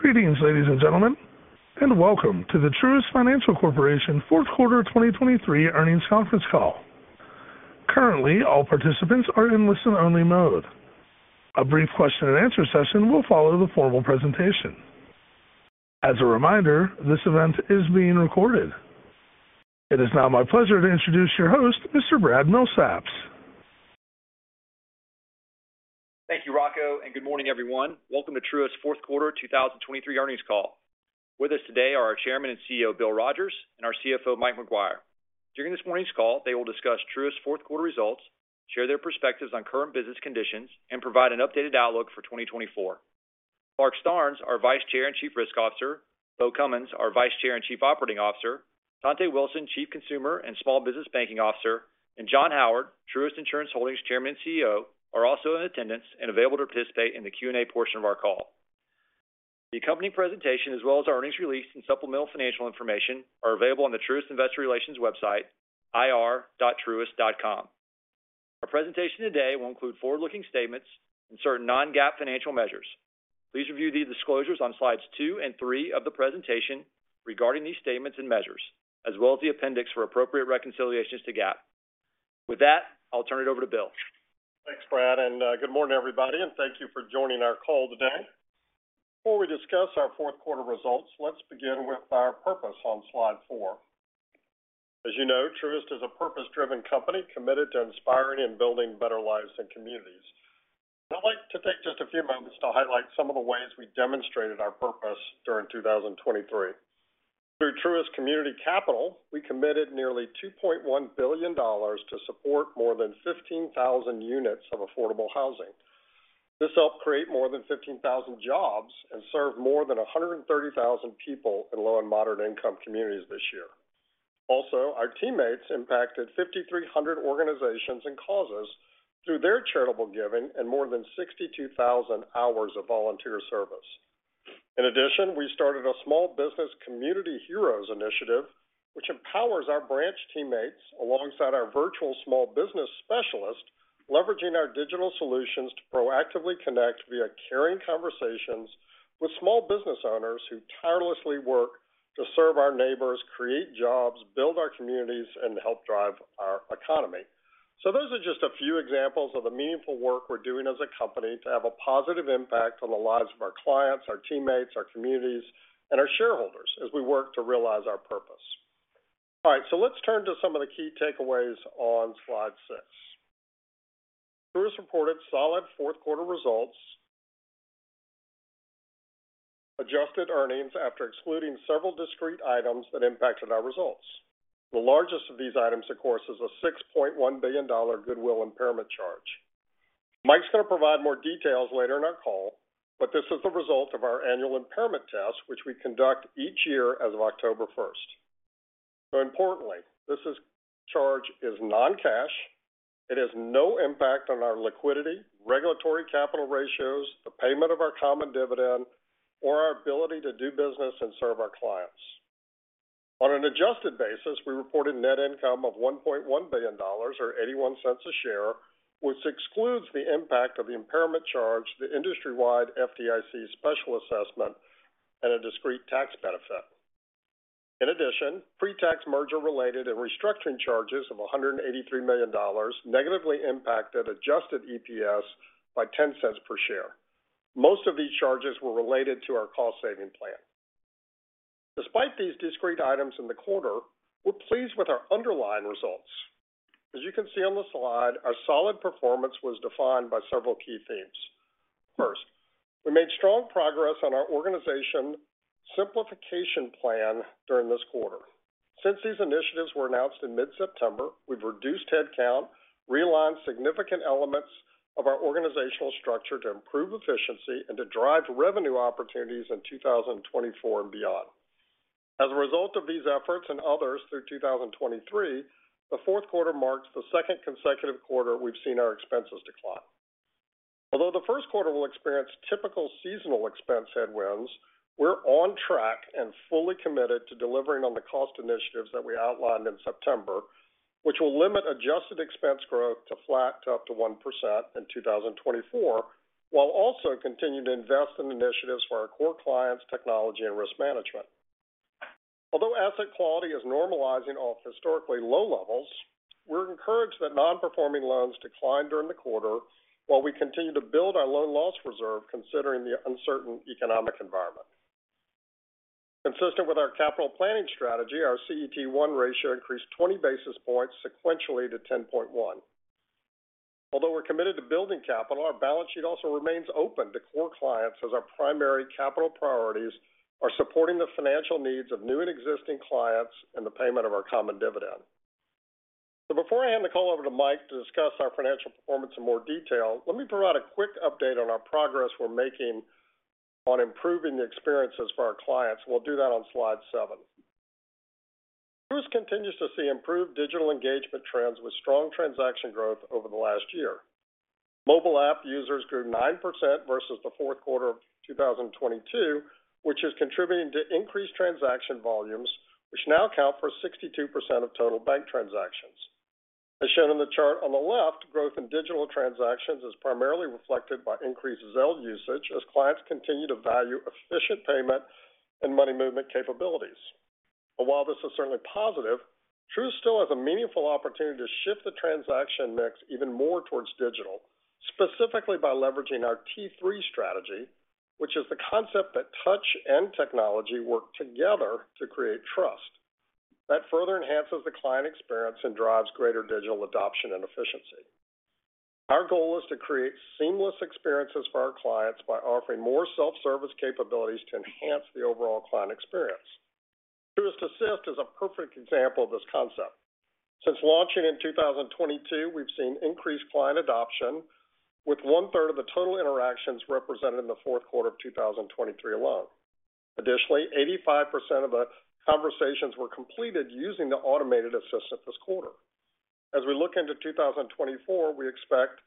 Greetings, ladies and gentlemen, and welcome to the Truist Financial Corporation fourth quarter 2023 earnings conference call. Currently, all participants are in listen-only mode. A brief question-and-answer session will follow the formal presentation. As a reminder, this event is being recorded. It is now my pleasure to introduce your host, Mr. Brad Milsaps. Thank you, Rocco, and good morning, everyone. Welcome to Truist's fourth quarter 2023 earnings call. With us today are our Chairman and CEO, Bill Rogers, and our CFO, Mike Maguire. During this morning's call, they will discuss Truist's fourth quarter results, share their perspectives on current business conditions, and provide an updated outlook for 2024. Clarke Starnes, our Vice Chair and Chief Risk Officer, Beau Cummins, our Vice Chair and Chief Operating Officer, Dontá Wilson, Chief Consumer and Small Business Banking Officer, and John Howard, Truist Insurance Holdings Chairman and CEO, are also in attendance and available to participate in the Q&A portion of our call. The accompanying presentation, as well as our earnings release and supplemental financial information, are available on the Truist Investor Relations website, ir.truist.com. Our presentation today will include forward-looking statements and certain non-GAAP financial measures. Please review the disclosures on slides two and three of the presentation regarding these statements and measures, as well as the appendix for appropriate reconciliations to GAAP. With that, I'll turn it over to Bill. Thanks, Brad, and good morning, everybody, and thank you for joining our call today. Before we discuss our fourth quarter results, let's begin with our purpose on slide four. As you know, Truist is a purpose-driven company committed to inspiring and building better lives and communities. I'd like to take just a few moments to highlight some of the ways we demonstrated our purpose during 2023. Through Truist Community Capital, we committed nearly $2.1 billion to support more than 15,000 units of affordable housing. This helped create more than 15,000 jobs and served more than 130,000 people in low and moderate-income communities this year. Also, our teammates impacted 5,300 organizations and causes through their charitable giving and more than 62,000 hours of volunteer service. In addition, we started a small business community heroes initiative, which empowers our branch teammates alongside our virtual small business specialists, leveraging our digital solutions to proactively connect via caring conversations with small business owners who tirelessly work to serve our neighbors, create jobs, build our communities, and help drive our economy. So those are just a few examples of the meaningful work we're doing as a company to have a positive impact on the lives of our clients, our teammates, our communities, and our shareholders as we work to realize our purpose. All right, so let's turn to some of the key takeaways on slide six. Truist reported solid fourth quarter results, adjusted earnings after excluding several discrete items that impacted our results. The largest of these items, of course, is a $6.1 billion goodwill impairment charge. Mike is going to provide more details later in our call, but this is the result of our annual impairment test, which we conduct each year as of October first. So importantly, this charge is non-cash. It has no impact on our liquidity, regulatory capital ratios, the payment of our common dividend, or our ability to do business and serve our clients. On an adjusted basis, we reported net income of $1.1 billion, or $0.81 a share, which excludes the impact of the impairment charge, the industry-wide FDIC special assessment, and a discrete tax benefit. In addition, pre-tax merger-related and restructuring charges of $183 million negatively impacted adjusted EPS by $0.10 per share. Most of these charges were related to our cost-saving plan. Despite these discrete items in the quarter, we're pleased with our underlying results. As you can see on the slide, our solid performance was defined by several key themes. First, we made strong progress on our organization simplification plan during this quarter. Since these initiatives were announced in mid-September, we've reduced headcount, realigned significant elements of our organizational structure to improve efficiency and to drive revenue opportunities in 2024 and beyond. As a result of these efforts and others through 2023, the fourth quarter marks the second consecutive quarter we've seen our expenses decline. Although the first quarter will experience typical seasonal expense headwinds, we're on track and fully committed to delivering on the cost initiatives that we outlined in September, which will limit adjusted expense growth to flat to up to 1% in 2024, while also continuing to invest in initiatives for our core clients, technology, and risk management. Although asset quality is normalizing off historically low levels, we're encouraged that non-performing loans declined during the quarter while we continue to build our loan loss reserve, considering the uncertain economic environment. Consistent with our capital planning strategy, our CET1 ratio increased 20 basis points sequentially to 10.1. Although we're committed to building capital, our balance sheet also remains open to core clients as our primary capital priorities are supporting the financial needs of new and existing clients and the payment of our common dividend. So before I hand the call over to Mike to discuss our financial performance in more detail, let me provide a quick update on our progress we're making on improving the experiences for our clients. We'll do that on slide seven. Truist continues to see improved digital engagement trends with strong transaction growth over the last year. Mobile app users grew 9% versus the fourth quarter of 2022, which is contributing to increased transaction volumes, which now account for 62% of total bank transactions. As shown in the chart on the left, growth in digital transactions is primarily reflected by increased Zelle usage as clients continue to value efficient payment and money movement capabilities. But while this is certainly positive, Truist still has a meaningful opportunity to shift the transaction mix even more towards digital, specifically by leveraging our T3 strategy, which is the concept that touch and technology work together to create trust. That further enhances the client experience and drives greater digital adoption and efficiency. Our goal is to create seamless experiences for our clients by offering more self-service capabilities to enhance the overall client experience. Truist Assist is a perfect example of this concept. Since launching in 2022, we've seen increased client adoption, with one-third of the total interactions represented in the fourth quarter of 2023 alone. Additionally, 85% of the conversations were completed using the automated assistant this quarter. As we look into 2024, we expect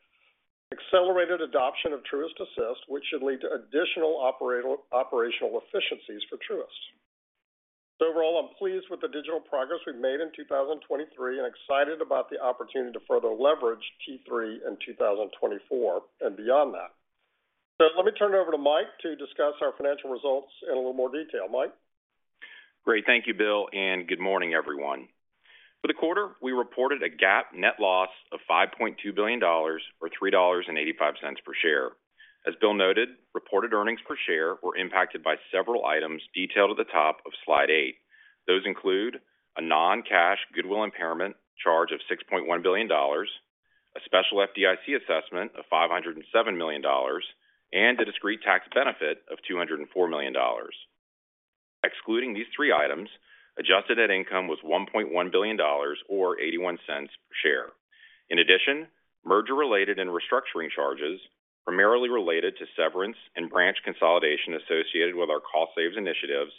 accelerated adoption of Truist Assist, which should lead to additional operational efficiencies for Truist. So overall, I'm pleased with the digital progress we've made in 2023 and excited about the opportunity to further leverage T3 in 2024 and beyond that. So let me turn it over to Mike to discuss our financial results in a little more detail. Mike? Great. Thank you, Bill, and good morning, everyone. For the quarter, we reported a GAAP net loss of $5.2 billion, or $3.85 per share. As Bill noted, reported earnings per share were impacted by several items detailed at the top of slide eight. Those include a non-cash goodwill impairment charge of $6.1 billion, a special FDIC assessment of $507 million, and a discrete tax benefit of $204 million. Excluding these 3 items, adjusted net income was $1.1 billion, or $0.81 per share. In addition, merger-related and restructuring charges, primarily related to severance and branch consolidation associated with our cost saves initiatives,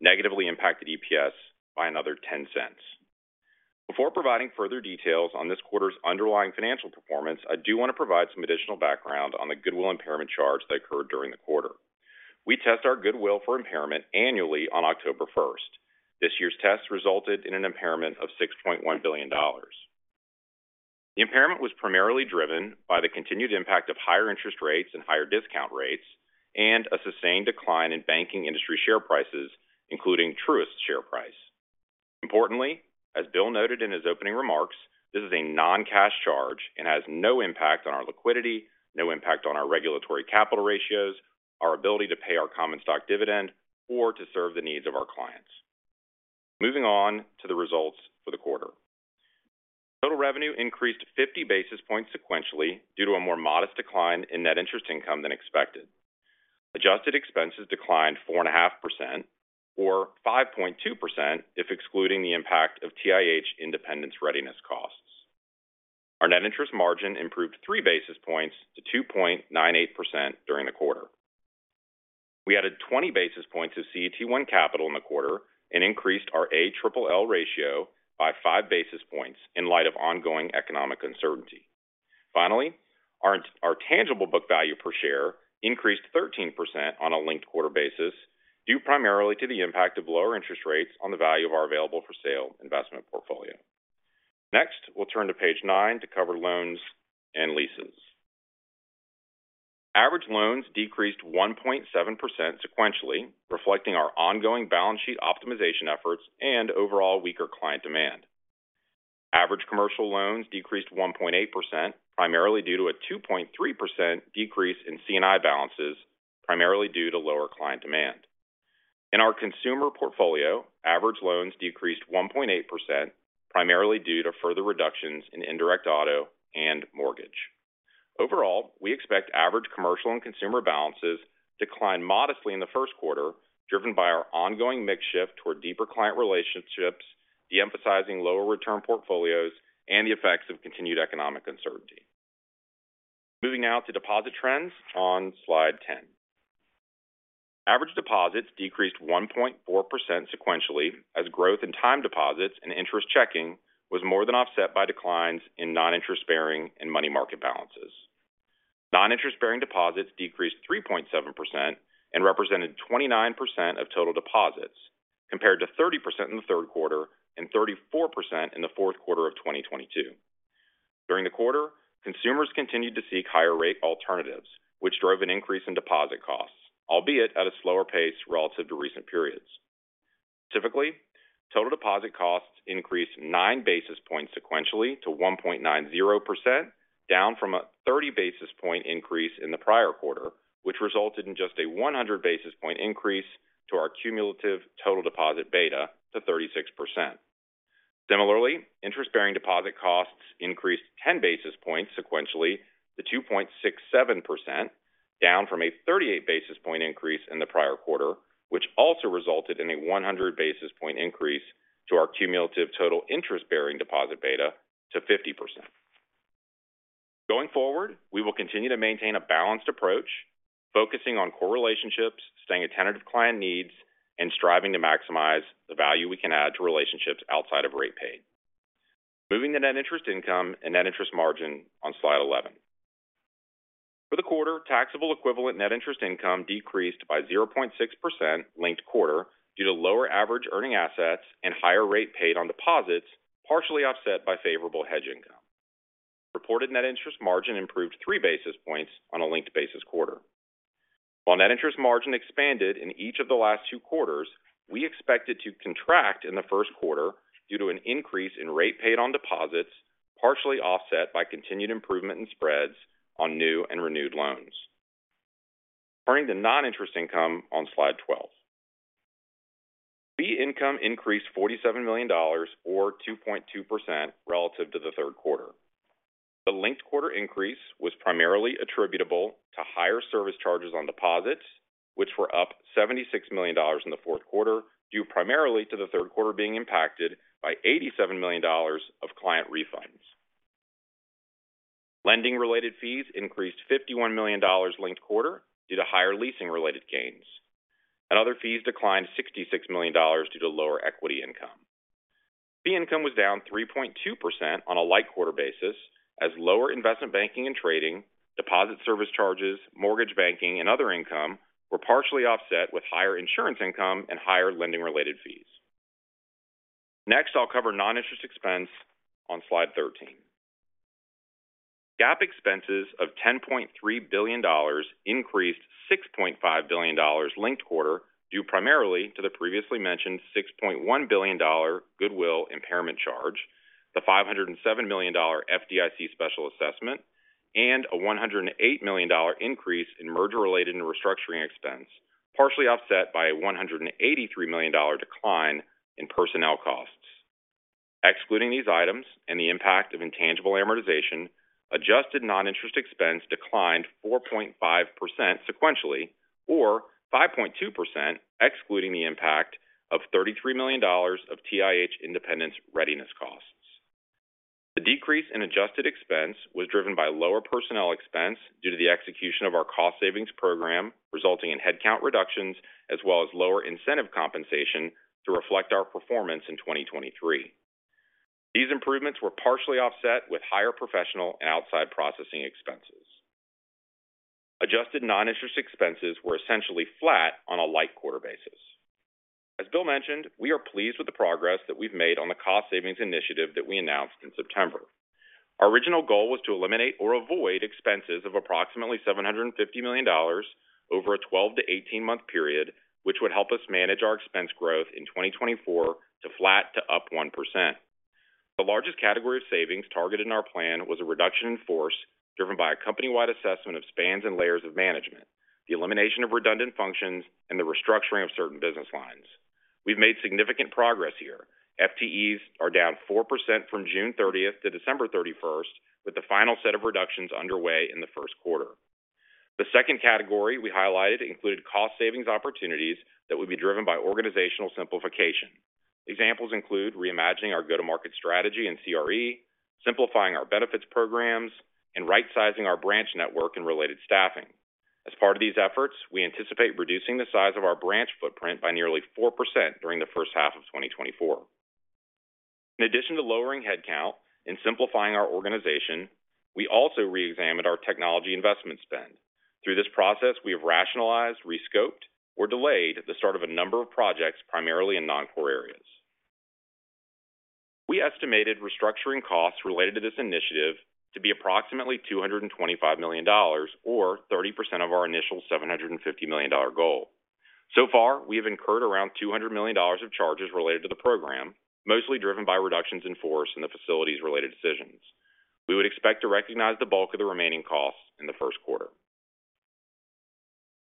negatively impacted EPS by another $0.10. Before providing further details on this quarter's underlying financial performance, I do want to provide some additional background on the goodwill impairment charge that occurred during the quarter. We test our goodwill for impairment annually on October first. This year's test resulted in an impairment of $6.1 billion. The impairment was primarily driven by the continued impact of higher interest rates and higher discount rates, and a sustained decline in banking industry share prices, including Truist's share price. Importantly, as Bill noted in his opening remarks, this is a non-cash charge and has no impact on our liquidity, no impact on our regulatory capital ratios, our ability to pay our common stock dividend or to serve the needs of our clients. Moving on to the results for the quarter. Total revenue increased 50 basis points sequentially due to a more modest decline in net interest income than expected. Adjusted expenses declined 4.5%, or 5.2% if excluding the impact of TIH independence readiness costs. Our net interest margin improved 3 basis points to 2.98% during the quarter. We added 20 basis points of CET1 capital in the quarter and increased our ALL ratio by 5 basis points in light of ongoing economic uncertainty. Finally, our tangible book value per share increased 13% on a linked quarter basis, due primarily to the impact of lower interest rates on the value of our available-for-sale investment portfolio. Next, we'll turn to page nine to cover loans and leases. Average loans decreased 1.7% sequentially, reflecting our ongoing balance sheet optimization efforts and overall weaker client demand. Average commercial loans decreased 1.8%, primarily due to a 2.3% decrease in C&I balances, primarily due to lower client demand. In our consumer portfolio, average loans decreased 1.8%, primarily due to further reductions in indirect auto and mortgage. Overall, we expect average commercial and consumer balances to decline modestly in the first quarter, driven by our ongoing mix shift toward deeper client relationships, de-emphasizing lower return portfolios, and the effects of continued economic uncertainty. Moving now to deposit trends on slide 10. Average deposits decreased 1.4% sequentially, as growth in time deposits and interest checking was more than offset by declines in non-interest bearing and money market balances. Non-interest-bearing deposits decreased 3.7% and represented 29% of total deposits, compared to 30% in the third quarter and 34% in the fourth quarter of 2022. During the quarter, consumers continued to seek higher rate alternatives, which drove an increase in deposit costs, albeit at a slower pace relative to recent periods. Specifically, total deposit costs increased 9 basis points sequentially to 1.90%, down from a 30 basis point increase in the prior quarter, which resulted in just a 100 basis point increase to our cumulative total deposit beta to 36%. Similarly, interest-bearing deposit costs increased 10 basis points sequentially to 2.67%, down from a 38 basis point increase in the prior quarter, which also resulted in a 100 basis point increase to our cumulative total interest-bearing deposit beta to 50%. Going forward, we will continue to maintain a balanced approach, focusing on core relationships, staying attentive to client needs, and striving to maximize the value we can add to relationships outside of rate paid. Moving to net interest income and net interest margin on slide 11. For the quarter, taxable equivalent net interest income decreased by 0.6% linked quarter due to lower average earning assets and higher rate paid on deposits, partially offset by favorable hedge income. Reported net interest margin improved three basis points on a linked basis quarter. While net interest margin expanded in each of the last two quarters, we expect it to contract in the first quarter due to an increase in rate paid on deposits, partially offset by continued improvement in spreads on new and renewed loans. Turning to non-interest income on slide 12. Fee income increased $47 million or 2.2% relative to the third quarter. The linked quarter increase was primarily attributable to higher service charges on deposits, which were up $76 million in the fourth quarter, due primarily to the third quarter being impacted by $87 million of client refunds. Lending related fees increased $51 million linked quarter due to higher leasing related gains. Other fees declined $66 million due to lower equity income. Fee income was down 3.2% on a like quarter basis as lower investment banking and trading, deposit service charges, mortgage banking, and other income were partially offset with higher insurance income and higher lending related fees. Next, I'll cover non-interest expense on slide 13. GAAP expenses of $10.3 billion increased $6.5 billion linked-quarter, due primarily to the previously mentioned $6.1 billion goodwill impairment charge, the $507 million FDIC special assessment, and a $108 million increase in merger-related and restructuring expense, partially offset by a $183 million decline in personnel costs. Excluding these items and the impact of intangible amortization, adjusted non-interest expense declined 4.5% sequentially, or 5.2%, excluding the impact of $33 million of TIH independence readiness costs. The decrease in adjusted expense was driven by lower personnel expense due to the execution of our cost savings program, resulting in headcount reductions, as well as lower incentive compensation to reflect our performance in 2023. These improvements were partially offset with higher professional and outside processing expenses. Adjusted non-interest expenses were essentially flat on a like quarter basis. As Bill mentioned, we are pleased with the progress that we've made on the cost savings initiative that we announced in September. Our original goal was to eliminate or avoid expenses of approximately $750 million over a 12- to 18-month period, which would help us manage our expense growth in 2024 to flat to up 1%. The largest category of savings targeted in our plan was a reduction in force driven by a company-wide assessment of spans and layers of management, the elimination of redundant functions, and the restructuring of certain business lines. We've made significant progress here. FTEs are down 4% from June thirtieth to December thirty-first, with the final set of reductions underway in the first quarter. The second category we highlighted included cost savings opportunities that would be driven by organizational simplification. Examples include reimagining our go-to-market strategy in CRE, simplifying our benefits programs, and rightsizing our branch network and related staffing. As part of these efforts, we anticipate reducing the size of our branch footprint by nearly 4% during the first half of 2024. In addition to lowering headcount and simplifying our organization, we also reexamined our technology investment spend. Through this process, we have rationalized, rescoped, or delayed the start of a number of projects, primarily in non-core areas. We estimated restructuring costs related to this initiative to be approximately $225 million or 30% of our initial $750 million goal. So far, we have incurred around $200 million of charges related to the program, mostly driven by reductions in force and the facilities-related decisions. We would expect to recognize the bulk of the remaining costs in the first quarter.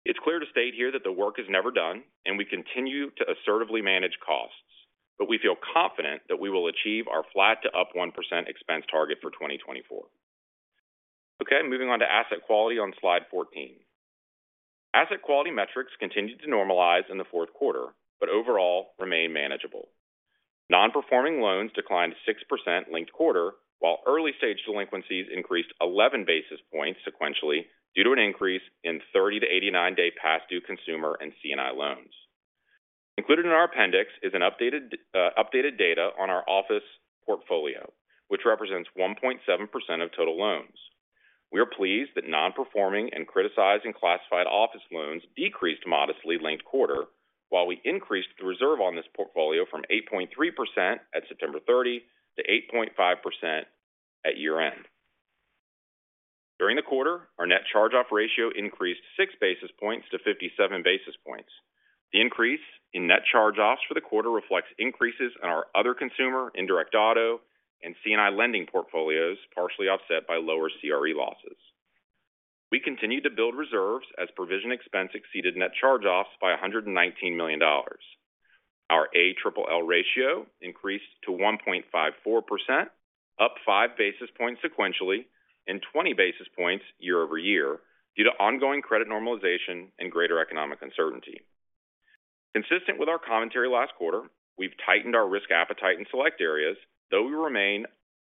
It's clear to state here that the work is never done and we continue to assertively manage costs, but we feel confident that we will achieve our flat to up 1% expense target for 2024. Okay, moving on to asset quality on slide 14. Asset quality metrics continued to normalize in the fourth quarter, but overall remain manageable. Non-performing loans declined 6% linked quarter, while early-stage delinquencies increased 11 basis points sequentially due to an increase in 30-89-day past due consumer and C&I loans. Included in our appendix is an updated, updated data on our office portfolio, which represents 1.7% of total loans. We are pleased that non-performing and criticized and classified office loans decreased modestly linked quarter, while we increased the reserve on this portfolio from 8.3% at September 30 to 8.5% at year-end. During the quarter, our net charge-off ratio increased six basis points to 57 basis points. The increase in net charge-offs for the quarter reflects increases in our other consumer, indirect auto, and C&I lending portfolios, partially offset by lower CRE losses. We continued to build reserves as provision expense exceeded net charge-offs by $119 million. Our ALLL ratio increased to 1.54%, up 5 basis points sequentially and 20 basis points year-over-year due to ongoing credit normalization and greater economic uncertainty. Consistent with our commentary last quarter, we've tightened our risk appetite in select areas, though we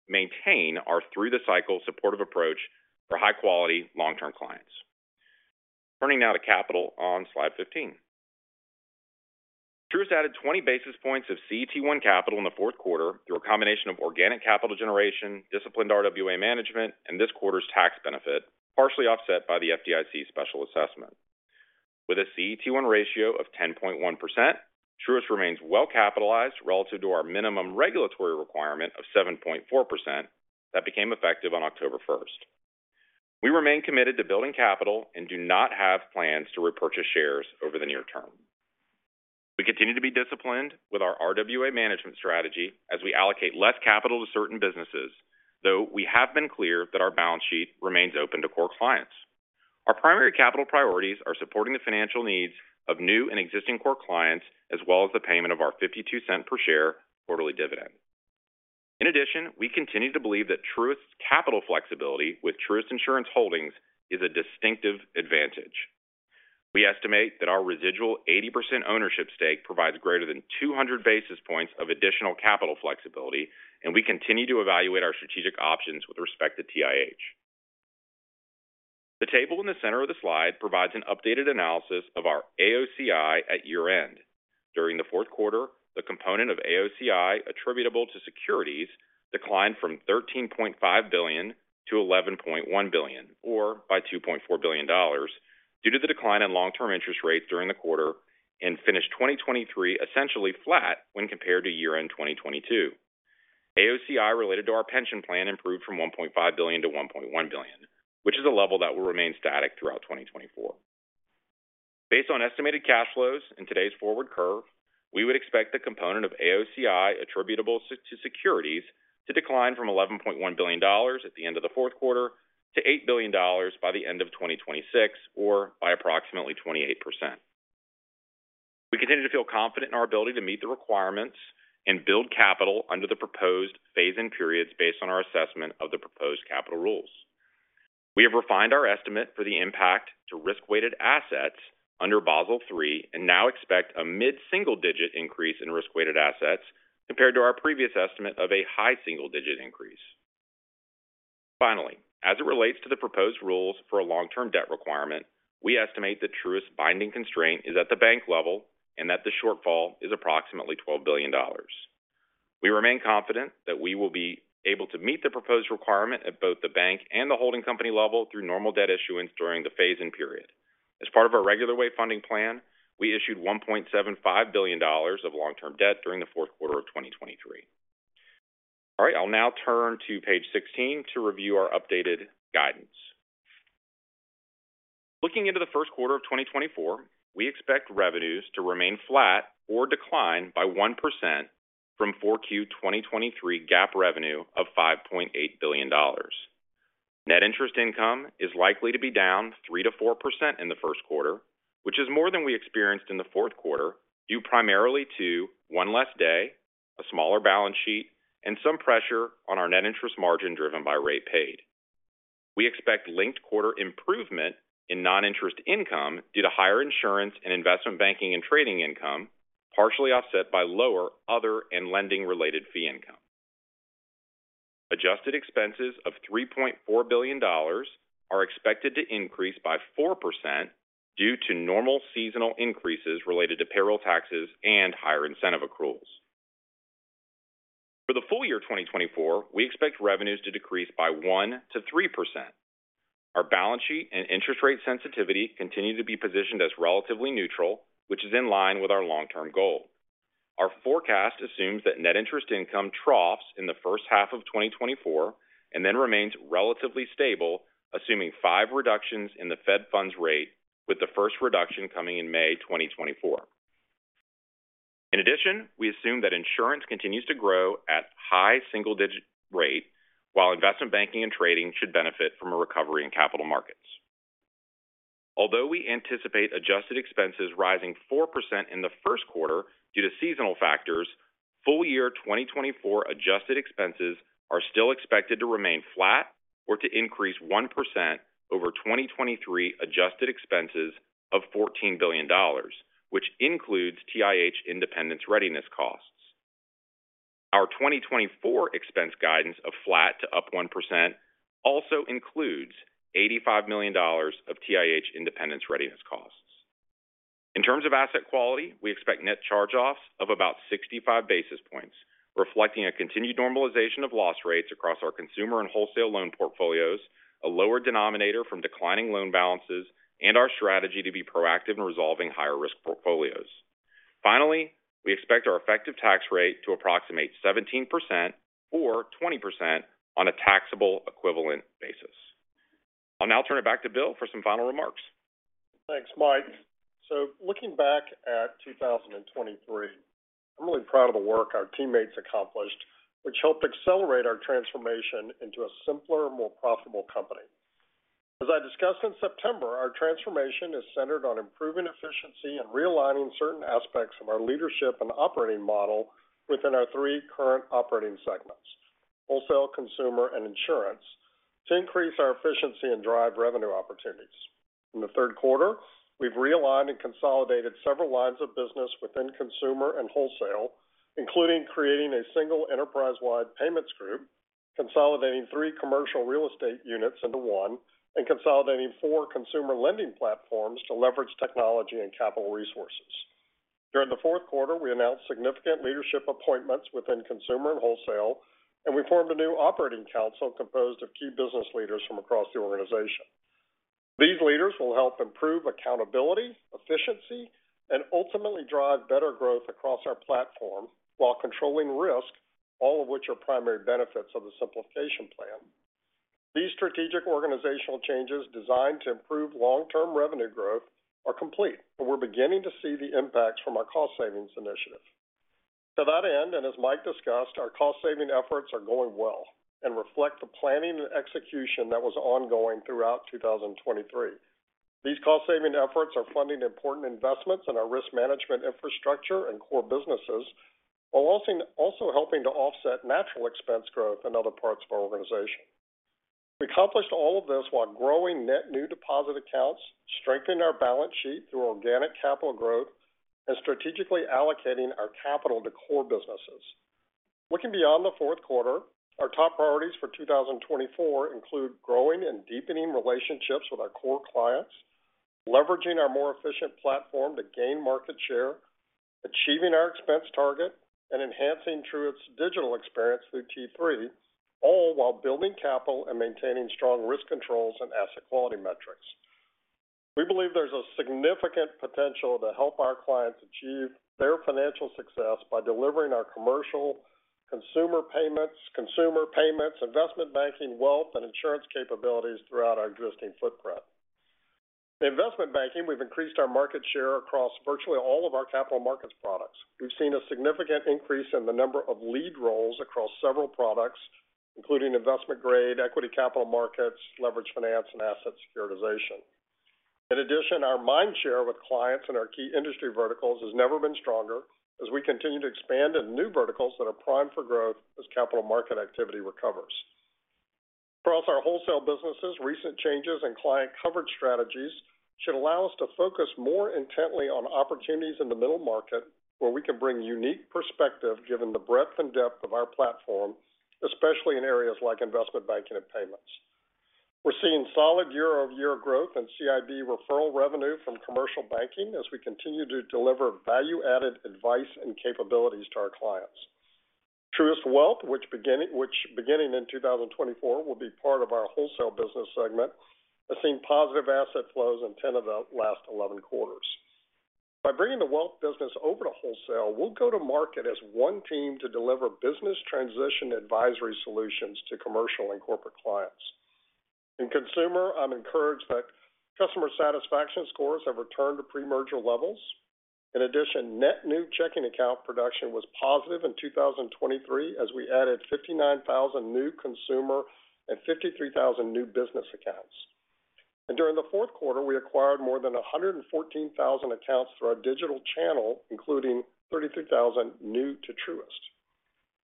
maintain our through-the-cycle supportive approach for high-quality long-term clients. Turning now to capital on slide 15. Truist added 20 basis points of CET1 capital in the fourth quarter through a combination of organic capital generation, disciplined RWA management, and this quarter's tax benefit, partially offset by the FDIC special assessment. With a CET1 ratio of 10.1%, Truist remains well-capitalized relative to our minimum regulatory requirement of 7.4% that became effective on October 1st. We remain committed to building capital and do not have plans to repurchase shares over the near term. We continue to be disciplined with our RWA management strategy as we allocate less capital to certain businesses, though we have been clear that our balance sheet remains open to core clients. Our primary capital priorities are supporting the financial needs of new and existing core clients, as well as the payment of our $0.52 per share quarterly dividend. In addition, we continue to believe that Truist's capital flexibility with Truist Insurance Holdings is a distinctive advantage. We estimate that our residual 80% ownership stake provides greater than 200 basis points of additional capital flexibility, and we continue to evaluate our strategic options with respect to TIH. The table in the center of the slide provides an updated analysis of our AOCI at year-end. During the fourth quarter, the component of AOCI attributable to securities declined from $13.5 billion to $11.1 billion, or by $2.4 billion, due to the decline in long-term interest rates during the quarter and finished 2023 essentially flat when compared to year-end 2022. AOCI related to our pension plan improved from 1.5 billion to 1.1 billion, which is a level that will remain static throughout 2024. Based on estimated cash flows and today's forward curve, we would expect the component of AOCI attributable to securities to decline from $11.1 billion at the end of the fourth quarter to $8 billion by the end of 2026, or by approximately 28%. We continue to feel confident in our ability to meet the requirements and build capital under the proposed phase-in periods based on our assessment of the proposed capital rules. We have refined our estimate for the impact to risk-weighted assets under Basel III and now expect a mid-single-digit increase in risk-weighted assets compared to our previous estimate of a high single-digit increase. Finally, as it relates to the proposed rules for a long-term debt requirement, we estimate that Truist's binding constraint is at the bank level and that the shortfall is approximately $12 billion. We remain confident that we will be able to meet the proposed requirement at both the bank and the holding company level through normal debt issuance during the phase-in period. As part of our regular way funding plan, we issued $1.75 billion of long-term debt during the fourth quarter of 2023. All right, I'll now turn to page 16 to review our updated guidance. Looking into the first quarter of 2024, we expect revenues to remain flat or decline by 1% from 4Q 2023 GAAP revenue of $5.8 billion. Net interest income is likely to be down 3%-4% in the first quarter, which is more than we experienced in the fourth quarter, due primarily to one less day, a smaller balance sheet, and some pressure on our net interest margin driven by rate paid. We expect linked quarter improvement in non-interest income due to higher insurance and investment banking and trading income, partially offset by lower other and lending-related fee income. Adjusted expenses of $3.4 billion are expected to increase by 4% due to normal seasonal increases related to payroll taxes and higher incentive accruals. For the full year 2024, we expect revenues to decrease by 1%-3%. Our balance sheet and interest rate sensitivity continue to be positioned as relatively neutral, which is in line with our long-term goal. Our forecast assumes that net interest income troughs in the first half of 2024 and then remains relatively stable, assuming five reductions in the Fed funds rate, with the first reduction coming in May 2024. In addition, we assume that insurance continues to grow at high single-digit rate, while investment banking and trading should benefit from a recovery in capital markets. Although we anticipate adjusted expenses rising 4% in the first quarter due to seasonal factors, full year 2024 adjusted expenses are still expected to remain flat or to increase 1% over 2023 adjusted expenses of $14 billion, which includes TIH independence readiness costs. Our 2024 expense guidance of flat to up 1% also includes $85 million of TIH independence readiness costs. In terms of asset quality, we expect net charge-offs of about 65 basis points, reflecting a continued normalization of loss rates across our consumer and wholesale loan portfolios, a lower denominator from declining loan balances, and our strategy to be proactive in resolving higher-risk portfolios. Finally, we expect our effective tax rate to approximate 17% or 20% on a taxable equivalent basis. I'll now turn it back to Bill for some final remarks. Thanks, Mike. So looking back at 2023, I'm really proud of the work our teammates accomplished, which helped accelerate our transformation into a simpler and more profitable company. As I discussed in September, our transformation is centered on improving efficiency and realigning certain aspects of our leadership and operating model within our three current operating segments, wholesale, consumer, and insurance, to increase our efficiency and drive revenue opportunities. In the third quarter, we've realigned and consolidated several lines of business within consumer and wholesale, including creating a single enterprise-wide payments group consolidating three commercial real estate units into one, and consolidating four consumer lending platforms to leverage technology and capital resources. During the fourth quarter, we announced significant leadership appointments within consumer and wholesale, and we formed a new operating council composed of key business leaders from across the organization. These leaders will help improve accountability, efficiency, and ultimately drive better growth across our platform while controlling risk, all of which are primary benefits of the simplification plan. These strategic organizational changes, designed to improve long-term revenue growth, are complete, and we're beginning to see the impacts from our cost savings initiative. To that end, and as Mike discussed, our cost-saving efforts are going well and reflect the planning and execution that was ongoing throughout 2023. These cost-saving efforts are funding important investments in our risk management infrastructure and core businesses, while also helping to offset natural expense growth in other parts of our organization. We accomplished all of this while growing net new deposit accounts, strengthening our balance sheet through organic capital growth, and strategically allocating our capital to core businesses. Looking beyond the fourth quarter, our top priorities for 2024 include growing and deepening relationships with our core clients, leveraging our more efficient platform to gain market share, achieving our expense target, and enhancing Truist's digital experience through T3, all while building capital and maintaining strong risk controls and asset quality metrics. We believe there's a significant potential to help our clients achieve their financial success by delivering our commercial, consumer payments, consumer payments, investment banking, wealth, and insurance capabilities throughout our existing footprint. In investment banking, we've increased our market share across virtually all of our capital markets products. We've seen a significant increase in the number of lead roles across several products, including investment grade, equity capital markets, leveraged finance, and asset securitization. In addition, our mind share with clients in our key industry verticals has never been stronger, as we continue to expand into new verticals that are primed for growth as capital market activity recovers. Across our wholesale businesses, recent changes in client coverage strategies should allow us to focus more intently on opportunities in the middle market, where we can bring unique perspective, given the breadth and depth of our platform, especially in areas like investment banking and payments. We're seeing solid year-over-year growth in CIB referral revenue from commercial banking as we continue to deliver value-added advice and capabilities to our clients. Truist Wealth, which in 2024 will be part of our wholesale business segment, has seen positive asset flows in 10 of the last 11 quarters. By bringing the wealth business over to wholesale, we'll go to market as one team to deliver business transition advisory solutions to commercial and corporate clients. In consumer, I'm encouraged that customer satisfaction scores have returned to pre-merger levels. In addition, net new checking account production was positive in 2023, as we added 59,000 new consumer and 53,000 new business accounts. And during the fourth quarter, we acquired more than 114,000 accounts through our digital channel, including 33,000 new to Truist.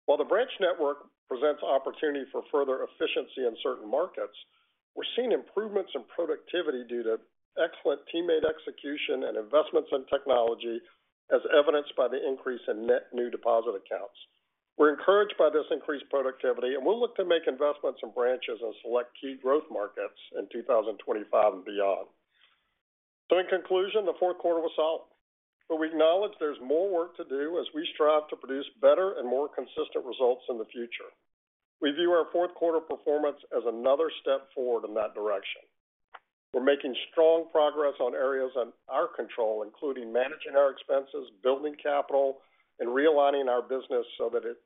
While the branch network presents opportunity for further efficiency in certain markets, we're seeing improvements in productivity due to excellent teammate execution and investments in technology, as evidenced by the increase in net new deposit accounts. We're encouraged by this increased productivity, and we'll look to make investments in branches in select key growth markets in 2025 and beyond. So in conclusion, the fourth quarter was solid, but we acknowledge there's more work to do as we strive to produce better and more consistent results in the future. We view our fourth quarter performance as another step forward in that direction. We're making strong progress in areas within our control, including managing our expenses, building capital, and realigning our business so that it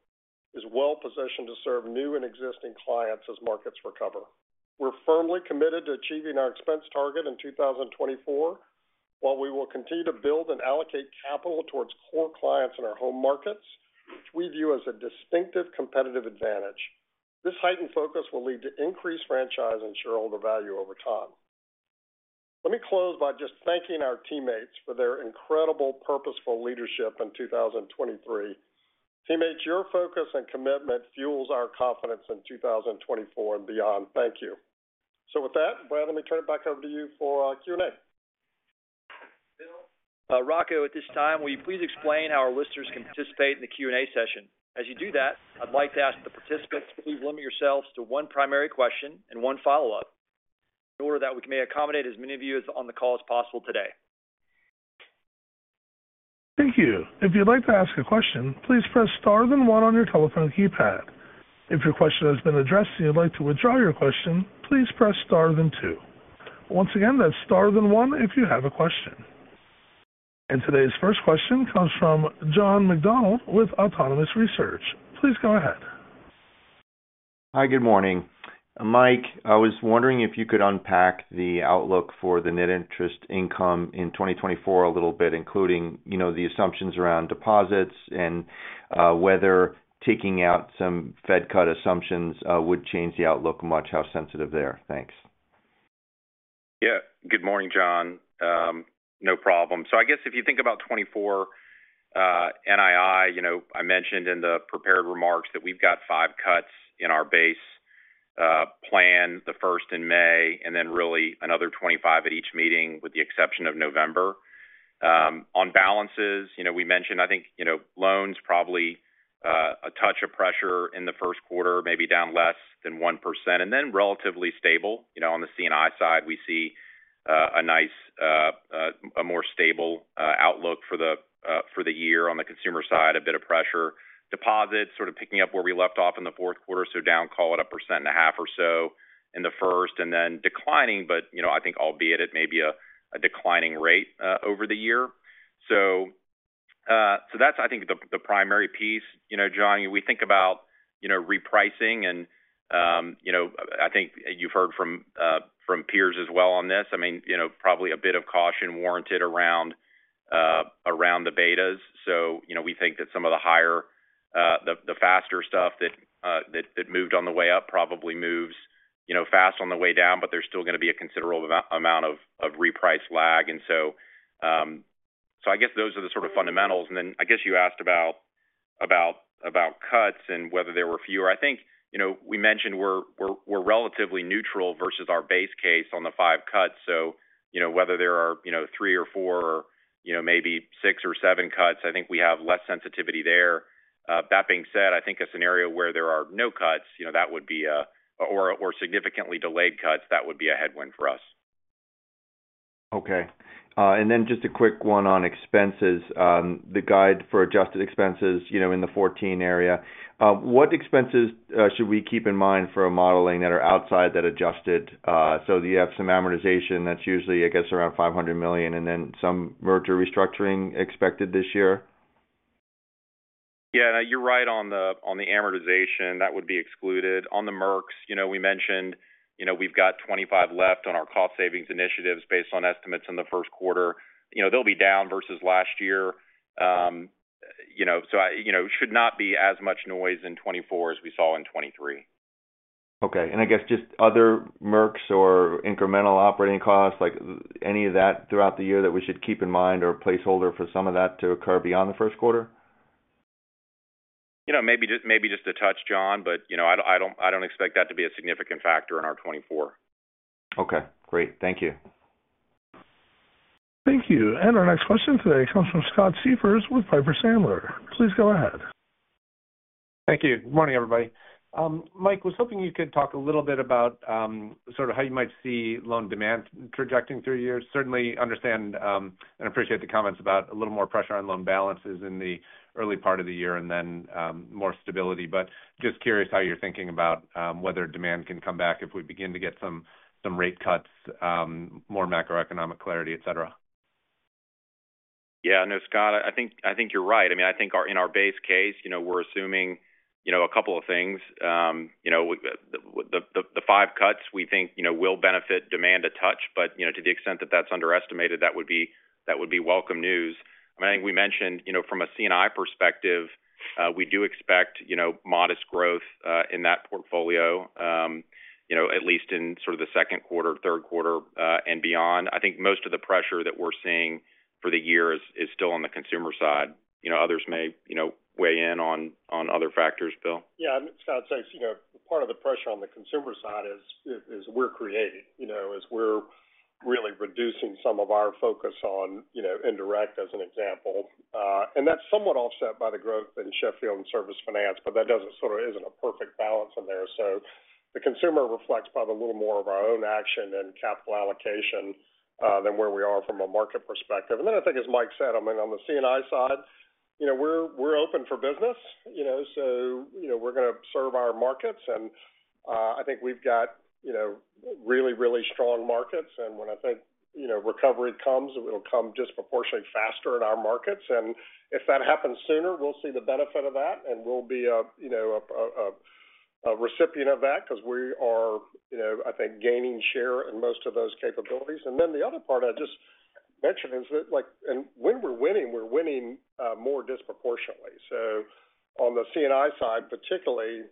is well positioned to serve new and existing clients as markets recover. We're firmly committed to achieving our expense target in 2024, while we will continue to build and allocate capital towards core clients in our home markets, which we view as a distinctive competitive advantage. This heightened focus will lead to increased franchise and shareholder value over time. Let me close by just thanking our teammates for their incredible, purposeful leadership in 2023. Teammates, your focus and commitment fuels our confidence in 2024 and beyond. Thank you. So with that, Brad, let me turn it back over to you for Q&A. Rocco, at this time, will you please explain how our listeners can participate in the Q&A session? As you do that, I'd like to ask the participants to please limit yourselves to one primary question and one follow-up, in order that we may accommodate as many of you as on the call as possible today. Thank you. If you'd like to ask a question, please press star, then one on your telephone keypad. If your question has been addressed and you'd like to withdraw your question, please press star, then two. Once again, that's star, then one if you have a question. And today's first question comes from John McDonald with Autonomous Research. Please go ahead. Hi, good morning. Mike, I was wondering if you could unpack the outlook for the net interest income in 2024 a little bit, including, you know, the assumptions around deposits and whether taking out some Fed cut assumptions would change the outlook much. How sensitive there? Thanks. Yeah. Good morning, John. No problem. So I guess if you think about 2024, NII, you know, I mentioned in the prepared remarks that we've got five cuts in our base. plan the first in May, and then really another 25 at each meeting, with the exception of November. On balances, you know, we mentioned, I think, you know, loans probably, a touch of pressure in the first quarter, maybe down less than 1%, and then relatively stable. You know, on the C&I side, we see, a nice, a more stable outlook for the year. On the consumer side, a bit of pressure. Deposits sort of picking up where we left off in the fourth quarter, so down, call it 1.5% or so in the first, and then declining. But, you know, I think albeit it may be a declining rate over the year. So, that's, I think, the primary piece. You know, John, we think about, you know, repricing and, you know, I think you've heard from, from peers as well on this. I mean, you know, probably a bit of caution warranted around, around the betas. So, you know, we think that some of the higher, the, the faster stuff that, that, that moved on the way up probably moves, you know, fast on the way down, but there's still going to be a considerable amount of, of reprice lag. And so, so I guess those are the sort of fundamentals. And then I guess you asked about, about, about cuts and whether there were fewer. I think, you know, we mentioned we're, we're, we're relatively neutral versus our base case on the 5 cuts. So, you know, whether there are, you know, three or four or, you know, maybe six or seven cuts, I think we have less sensitivity there. That being said, I think a scenario where there are no cuts, you know, that would be a - or, or significantly delayed cuts, that would be a headwind for us. Okay. And then just a quick one on expenses. The guide for adjusted expenses, you know, in the 14 area. What expenses should we keep in mind for a modeling that are outside that adjusted? So you have some amortization that's usually, I guess, around $500 million, and then some merger restructuring expected this year. Yeah, you're right on the amortization. That would be excluded. On the mergers, you know, we mentioned, you know, we've got 25 left on our cost savings initiatives based on estimates in the first quarter. You know, they'll be down versus last year. You know, so, you know, should not be as much noise in 2024 as we saw in 2023. Okay. And I guess just other metrics or incremental operating costs, like, any of that throughout the year that we should keep in mind or a placeholder for some of that to occur beyond the first quarter? You know, maybe just a touch, John, but you know, I don't expect that to be a significant factor in our 2024. Okay, great. Thank you. Thank you. Our next question today comes from Scott Siefers with Piper Sandler. Please go ahead. Thank you. Good morning, everybody. Mike, was hoping you could talk a little bit about sort of how you might see loan demand trajecting through the years. Certainly understand and appreciate the comments about a little more pressure on loan balances in the early part of the year and then more stability, but just curious how you're thinking about whether demand can come back if we begin to get some rate cuts, more macroeconomic clarity, et cetera. Yeah. No, Scott, I think, I think you're right. I mean, I think our in our base case, you know, we're assuming, you know, a couple of things. The five cuts we think, you know, will benefit demand a touch. But, you know, to the extent that that's underestimated, that would be, that would be welcome news. I mean, I think we mentioned, you know, from a C&I perspective, we do expect, you know, modest growth in that portfolio, you know, at least in sort of the second quarter, third quarter, and beyond. I think most of the pressure that we're seeing for the year is still on the consumer side. You know, others may, you know, weigh in on other factors. Bill? Yeah, Scott, so it's, you know, part of the pressure on the consumer side is we're creating. You know, we're really reducing some of our focus on, you know, indirect as an example. And that's somewhat offset by the growth in Sheffield and Service Finance, but that doesn't sort of isn't a perfect balance in there. So the consumer reflects probably a little more of our own action and capital allocation than where we are from a market perspective. And then I think as Mike said, I mean, on the C&I side, you know, we're open for business, you know, so, you know, we're going to serve our markets. And I think we've got, you know, really, really strong markets. And when I think, you know, recovery comes, it'll come disproportionately faster in our markets. And if that happens sooner, we'll see the benefit of that, and we'll be a, you know, recipient of that because we are, you know, I think, gaining share in most of those capabilities. And then the other part I just mentioned is that, like, and when we're winning, we're winning more disproportionately. So on the C&I side, particularly,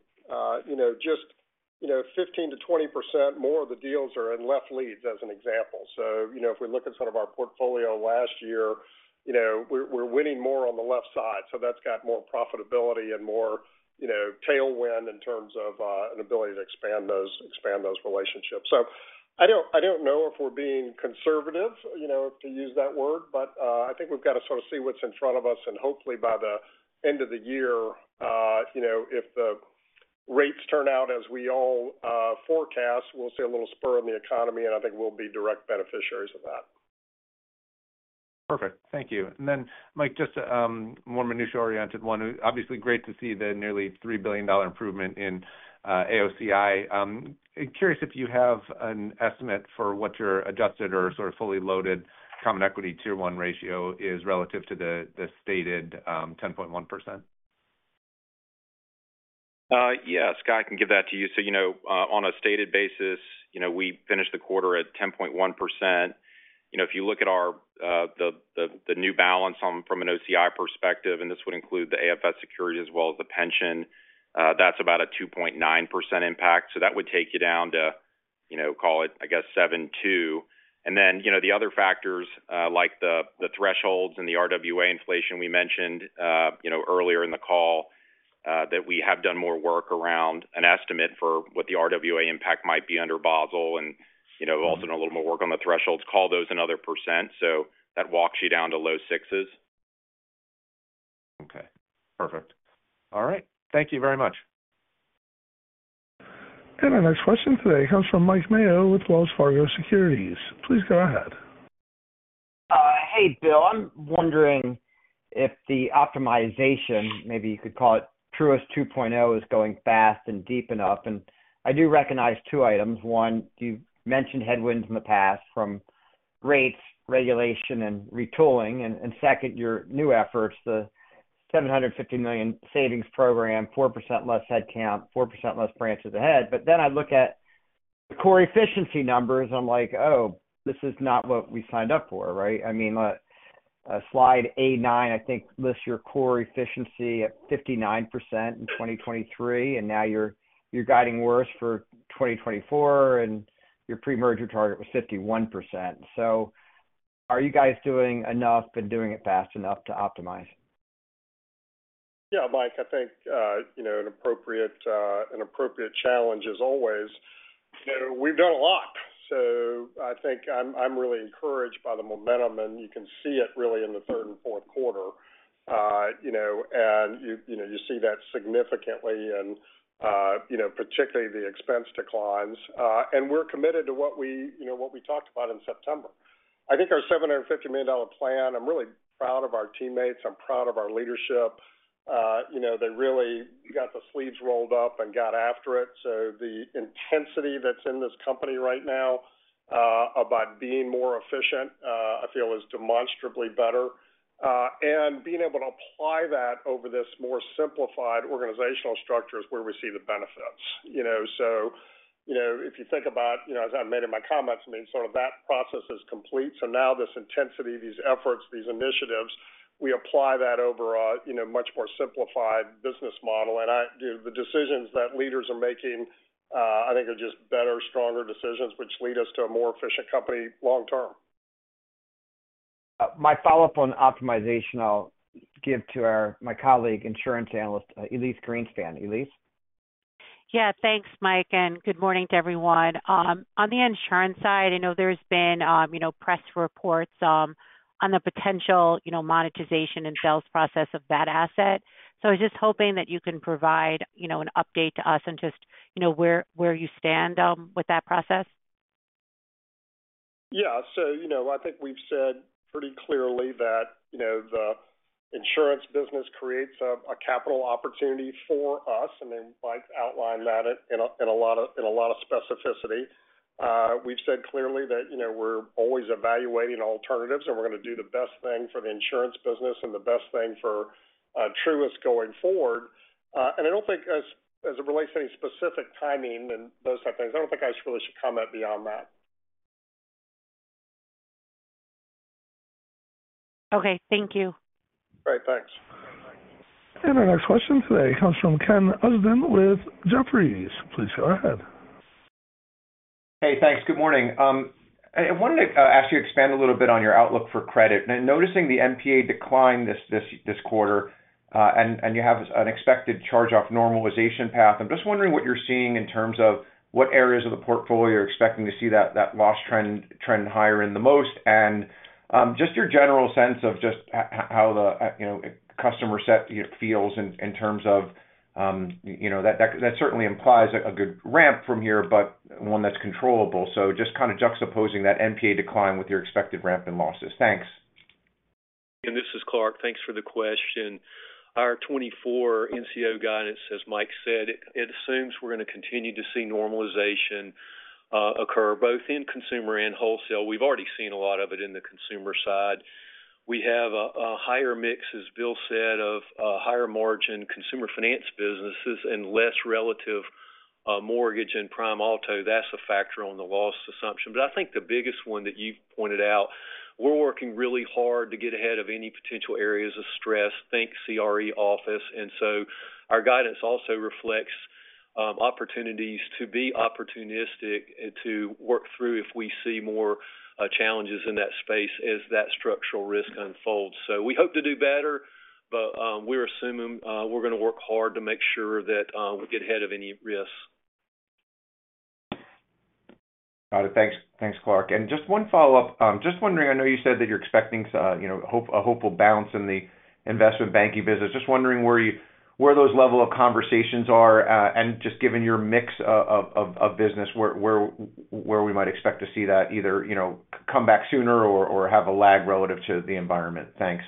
you know, just, you know, 15%-20% more of the deals are in left leads, as an example. So, you know, if we look at some of our portfolio last year, you know, we're winning more on the left side, so that's got more profitability and more, you know, tailwind in terms of an ability to expand those relationships. So I don't know if we're being conservative, you know, to use that word, but I think we've got to sort of see what's in front of us, and hopefully by the end of the year, you know, if the rates turn out as we all forecast, we'll see a little spur in the economy, and I think we'll be direct beneficiaries of that. Perfect. Thank you. And then, Mike, just a more minutiae-oriented one. Obviously, great to see the nearly $3 billion improvement in AOCI. I'm curious if you have an estimate for what your adjusted or sort of fully loaded common equity tier one ratio is relative to the stated 10.1%. Yeah, Scott, I can give that to you. So, you know, on a stated basis, you know, we finished the quarter at 10.1%. You know, if you look at our, the new balance on from an OCI perspective, and this would include the AFS securities as well as the pension, that's about a 2.9% impact. So that would take you down to- you know, call it, I guess, 7.2. And then, you know, the other factors, like the thresholds and the RWA inflation we mentioned, you know, earlier in the call, that we have done more work around an estimate for what the RWA impact might be under Basel and, you know, also done a little more work on the thresholds, call those another 1%. So that walks you down to low 6s. Okay, perfect. All right. Thank you very much. Our next question today comes from Mike Mayo with Wells Fargo Securities. Please go ahead. Hey, Bill. I'm wondering if the optimization, maybe you could call it Truist 2.0, is going fast and deep enough. I do recognize two items. One, you've mentioned headwinds in the past from rates, regulation, and retooling. Second, your new efforts, the $750 million savings program, 4% less headcount, 4% less branches ahead. But then I look at the core efficiency numbers, I'm like: Oh, this is not what we signed up for, right? I mean, slide A9, I think, lists your core efficiency at 59% in 2023, and now you're guiding worse for 2024, and your pre-merger target was 51%. So are you guys doing enough and doing it fast enough to optimize? Yeah, Mike, I think, you know, an appropriate, an appropriate challenge is always, you know, we've done a lot. So I think I'm, I'm really encouraged by the momentum, and you can see it really in the third and fourth quarter. You know, and you, you know, you see that significantly and, you know, particularly the expense declines. And we're committed to what we, you know, what we talked about in September. I think our $750 million plan, I'm really proud of our teammates. I'm proud of our leadership. You know, they really got the sleeves rolled up and got after it. So the intensity that's in this company right now, about being more efficient, I feel is demonstrably better. And being able to apply that over this more simplified organizational structure is where we see the benefits. You know, so, you know, if you think about, you know, as I made in my comments, I mean, sort of that process is complete. So now this intensity, these efforts, these initiatives, we apply that over a, you know, much more simplified business model. And the decisions that leaders are making, I think are just better, stronger decisions, which lead us to a more efficient company long term. My follow-up on optimization, I'll give to my colleague, Insurance Analyst, Elyse Greenspan. Elyse? Yeah, thanks, Mike, and good morning to everyone. On the insurance side, I know there's been, you know, press reports on the potential, you know, monetization and sales process of the asset. I was just hoping that you can provide, you know, an update to us and just, you know, where, where you stand with that process. Yeah. So, you know, I think we've said pretty clearly that, you know, the insurance business creates a capital opportunity for us, and then Mike outlined that in a lot of specificity. We've said clearly that, you know, we're always evaluating alternatives, and we're going to do the best thing for the insurance business and the best thing for Truist going forward. And I don't think as it relates to any specific timing and those type things, I don't think I really should comment beyond that. Okay. Thank you. Great. Thanks. Our next question today comes from Ken Usdin with Jefferies. Please go ahead. Hey, thanks. Good morning. I wanted to ask you to expand a little bit on your outlook for credit. And I'm noticing the NPA declined this quarter, and you have an expected charge-off normalization path. I'm just wondering what you're seeing in terms of what areas of the portfolio you're expecting to see that loss trend higher in the most, and just your general sense of just how the, you know, customer set feels in terms of, you know, that certainly implies a good ramp from here, but one that's controllable. So just kind of juxtaposing that NPA decline with your expected ramp in losses. Thanks. This is Clarke. Thanks for the question. Our 2024 NCO guidance, as Mike said, it assumes we're going to continue to see normalization occur both in consumer and wholesale. We've already seen a lot of it in the consumer side. We have a higher mix, as Bill said, of higher margin consumer finance businesses and less relative mortgage and prime auto. That's a factor on the loss assumption. But I think the biggest one that you pointed out, we're working really hard to get ahead of any potential areas of stress. Think CRE office. Our guidance also reflects opportunities to be opportunistic and to work through if we see more challenges in that space as that structural risk unfolds. So we hope to do better, but we're going to work hard to make sure that we get ahead of any risks. Got it. Thanks. Thanks, Clarke. And just one follow-up. Just wondering, I know you said that you're expecting, you know, a hopeful bounce in the investment banking business. Just wondering where those level of conversations are, and just given your mix of business, where we might expect to see that either, you know, come back sooner or have a lag relative to the environment. Thanks.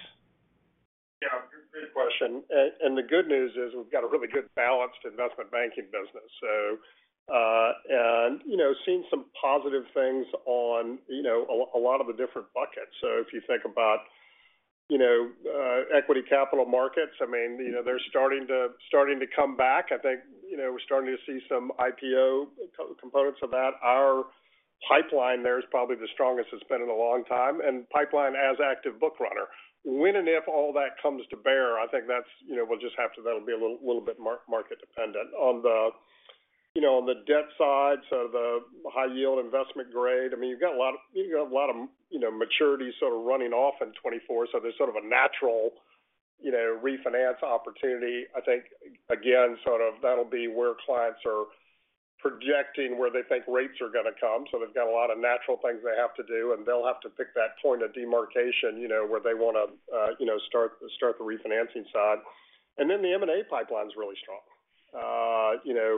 Yeah, good question. And the good news is we've got a really good balanced investment banking business. So, and, you know, seeing some positive things on, you know, a lot of the different buckets. So if you think about, you know, equity capital markets, I mean, you know, they're starting to come back. I think, you know, we're starting to see some IPO components of that. Our pipeline there is probably the strongest it's been in a long time, and pipeline as active book runner. When and if all that comes to bear, I think that's, you know, we'll just have to, that'll be a little bit market dependent. On the, you know, on the debt side, so the high yield investment grade, I mean, you've got a lot of, you got a lot of, you know, maturities sort of running off in 2024, so there's sort of a natural, you know, refinance opportunity. I think, again, sort of that'll be where clients are projecting, where they think rates are going to come. So they've got a lot of natural things they have to do, and they'll have to pick that point of demarcation, you know, where they want to, you know, start, start the refinancing side. And then the M&A pipeline is really strong. You know,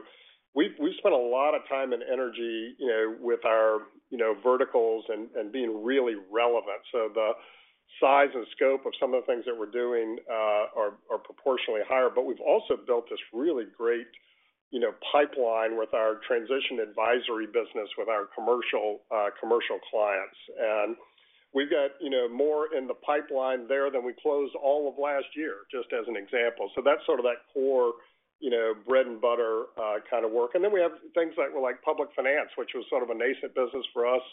we've, we've spent a lot of time and energy, you know, with our, you know, verticals and, and being really relevant. So the size and scope of some of the things that we're doing, are, are proportionally higher. But we've also built this really great, you know, pipeline with our transition advisory business, with our commercial, commercial clients. And we've got, you know, more in the pipeline there than we closed all of last year, just as an example. So that's sort of that core, you know, bread and butter, kind of work. And then we have things like, like public finance, which was sort of a nascent business for us,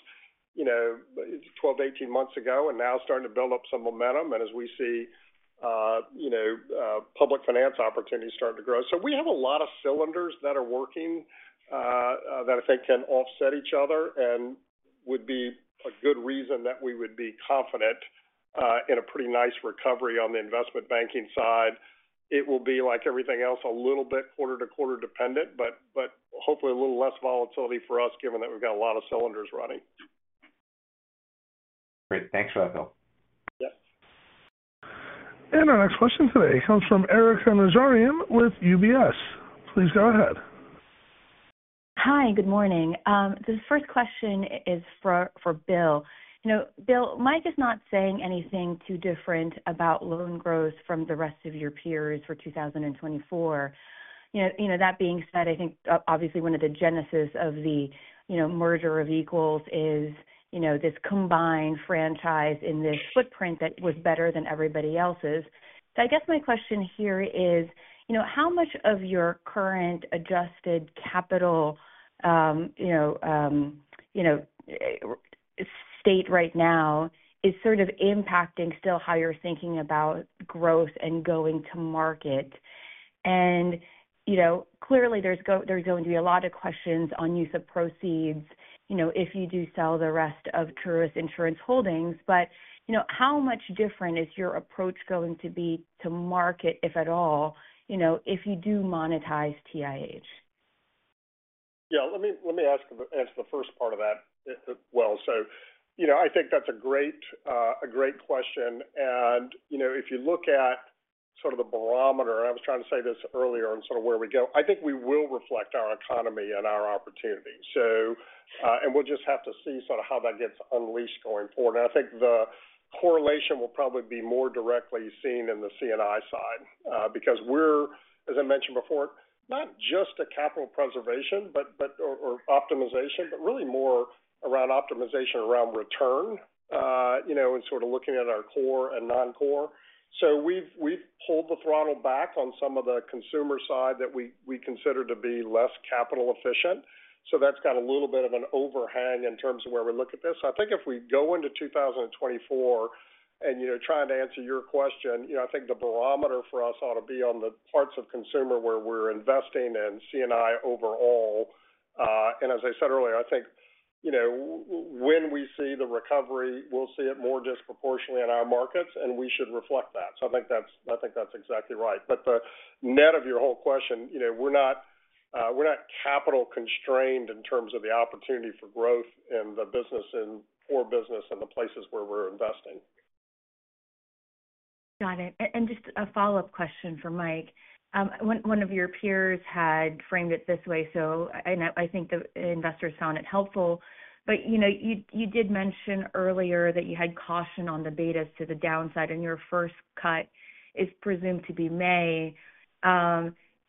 you know, 12-18 months ago, and now starting to build up some momentum. And as we see, you know, public finance opportunities starting to grow. So we have a lot of cylinders that are working, that I think can offset each other and would be a good reason that we would be confident, in a pretty nice recovery on the investment banking side. It will be like everything else, a little bit quarter-to-quarter dependent, but, but hopefully a little less volatility for us, given that we've got a lot of cylinders running. Great. Thanks, Bill. Yes. Our next question today comes from Erika Najarian with UBS. Please go ahead. Hi, good morning. This first question is for Bill. You know, Bill, Mike is not saying anything too different about loan growth from the rest of your peers for 2024. You know, that being said, I think obviously one of the genesis of the merger of equals is this combined franchise in this footprint that was better than everybody else's. So I guess my question here is, you know, how much of your current adjusted capital, you know, state right now is sort of impacting still how you're thinking about growth and going to market? And, you know, clearly there's going to be a lot of questions on use of proceeds, you know, if you do sell the rest of Truist Insurance Holdings. But, you know, how much different is your approach going to be to market, if at all, you know, if you do monetize TIH? Yeah, let me answer the first part of that, well. So, you know, I think that's a great question. And, you know, if you look at sort of the barometer, I was trying to say this earlier on sort of where we go. I think we will reflect our economy and our opportunities. So, and we'll just have to see sort of how that gets unleashed going forward. I think the correlation will probably be more directly seen in the C&I side, because we're, as I mentioned before, not just a capital preservation, but optimization, but really more around optimization, around return, you know, and sort of looking at our core and non-core. So we've pulled the throttle back on some of the consumer side that we consider to be less capital efficient. So that's got a little bit of an overhang in terms of where we look at this. I think if we go into 2024 and, you know, trying to answer your question, you know, I think the barometer for us ought to be on the parts of consumer where we're investing in C&I overall. And as I said earlier, I think, you know, when we see the recovery, we'll see it more disproportionately in our markets, and we should reflect that. So I think that's, I think that's exactly right. But the net of your whole question, you know, we're not, we're not capital constrained in terms of the opportunity for growth and the business and core business and the places where we're investing. Got it. And just a follow-up question for Mike. One of your peers had framed it this way, so and I think the investors found it helpful. You know, you did mention earlier that you had caution on the betas to the downside, and your first cut is presumed to be May.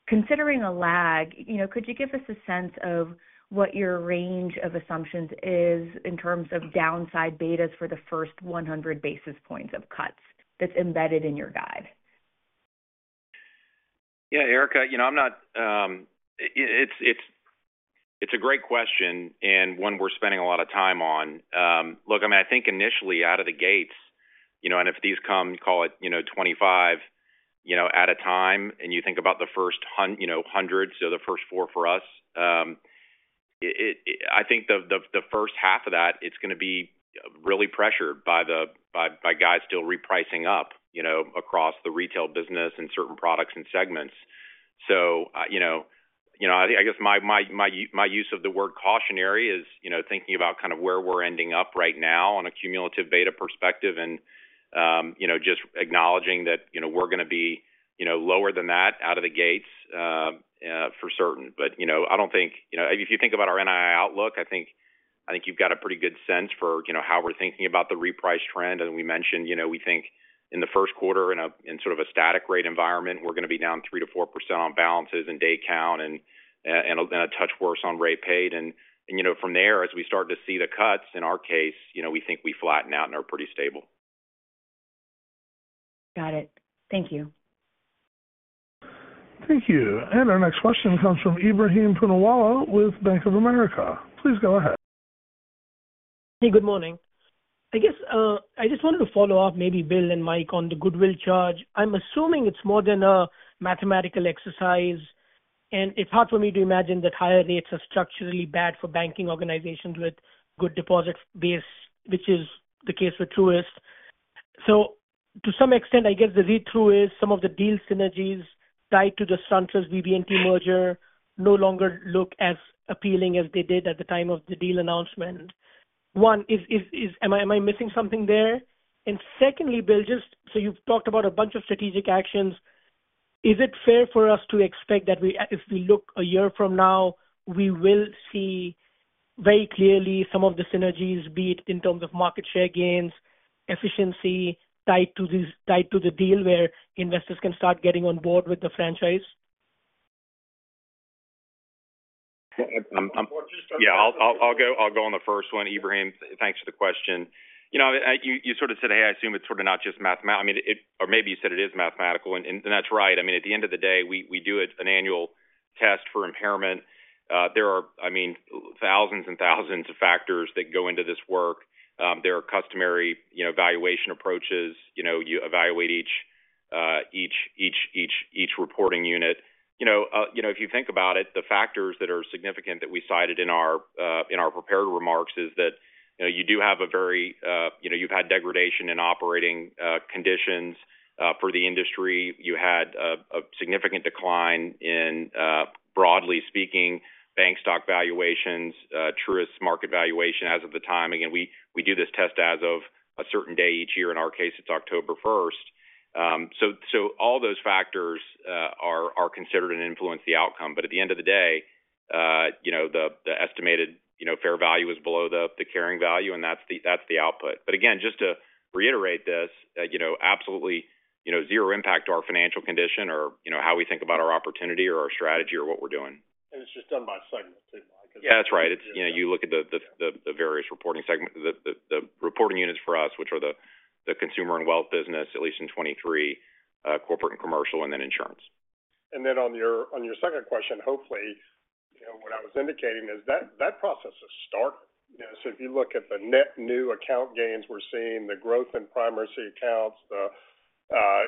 Considering a lag, you know, could you give us a sense of what your range of assumptions is in terms of downside betas for the first 100 basis points of cuts that's embedded in your guide? Yeah, Erika, you know, I'm not, it's a great question and one we're spending a lot of time on. Look, I mean, I think initially out of the gates, you know, and if these come, call it, you know, 25, you know, at a time, and you think about the first hundreds, so the first four for us, I think the first half of that, it's going to be really pressured by the guys still repricing up, you know, across the retail business and certain products and segments. So, you know, you know, I guess my use of the word cautionary is, you know, thinking about kind of where we're ending up right now on a cumulative beta perspective and, you know, just acknowledging that, you know, we're going to be, you know, lower than that out of the gates, for certain. But, you know, I don't think... You know, if you think about our NII outlook, I think, I think you've got a pretty good sense for, you know, how we're thinking about the reprice trend. And we mentioned, you know, we think in the first quarter, in sort of a static rate environment, we're going to be down 3%-4% on balances and day count and, and a touch worse on rate paid. You know, from there, as we start to see the cuts in our case, you know, we think we flatten out and are pretty stable. Got it. Thank you. Thank you. Our next question comes from Ebrahim Poonawala with Bank of America. Please go ahead. Hey, good morning. I guess, I just wanted to follow up, maybe Bill and Mike, on the goodwill charge. I'm assuming it's more than a mathematical exercise, and it's hard for me to imagine that higher rates are structurally bad for banking organizations with good deposit base, which is the case with Truist. So to some extent, I guess the read-through is some of the deal synergies tied to the SunTrust BB&T merger no longer look as appealing as they did at the time of the deal announcement. Am I missing something there? And secondly, Bill, just so you've talked about a bunch of strategic actions, is it fair for us to expect that we, if we look a year from now, we will see very clearly some of the synergies, be it in terms of market share gains, efficiency tied to this, tied to the deal, where investors can start getting on board with the franchise? Yeah, I'll go on the first one, Ebrahim. Thanks for the question. You know, you sort of said, "Hey, I assume it's sort of not just mathema-" I mean, it - or maybe you said it is mathematical, and that's right. I mean, at the end of the day, we do an annual test for impairment. There are, I mean, thousands and thousands of factors that go into this work. There are customary, you know, valuation approaches. You know, you evaluate each reporting unit. You know, if you think about it, the factors that are significant that we cited in our prepared remarks is that, you know, you do have a very, you know, you've had degradation in operating conditions for the industry. You had a significant decline in, broadly speaking, bank stock valuations, Truist market valuation as of the time. Again, we do this test as of a certain day each year. In our case, it's October first. So all those factors are considered and influence the outcome. But at the end of the day, you know, the estimated, you know, fair value is below the carrying value, and that's the output. But again, just to reiterate this, you know, absolutely, you know, zero impact to our financial condition or, you know, how we think about our opportunity or our strategy or what we're doing. It's just done by segment, too. Yeah, that's right. It's, you know, you look at the various reporting segment, the reporting units for us, which are the consumer and wealth business, at least in 2023, corporate and commercial, and then insurance. And then on your second question, hopefully, you know, what I was indicating is that process has started. You know, so if you look at the net new account gains, we're seeing the growth in primary accounts, the,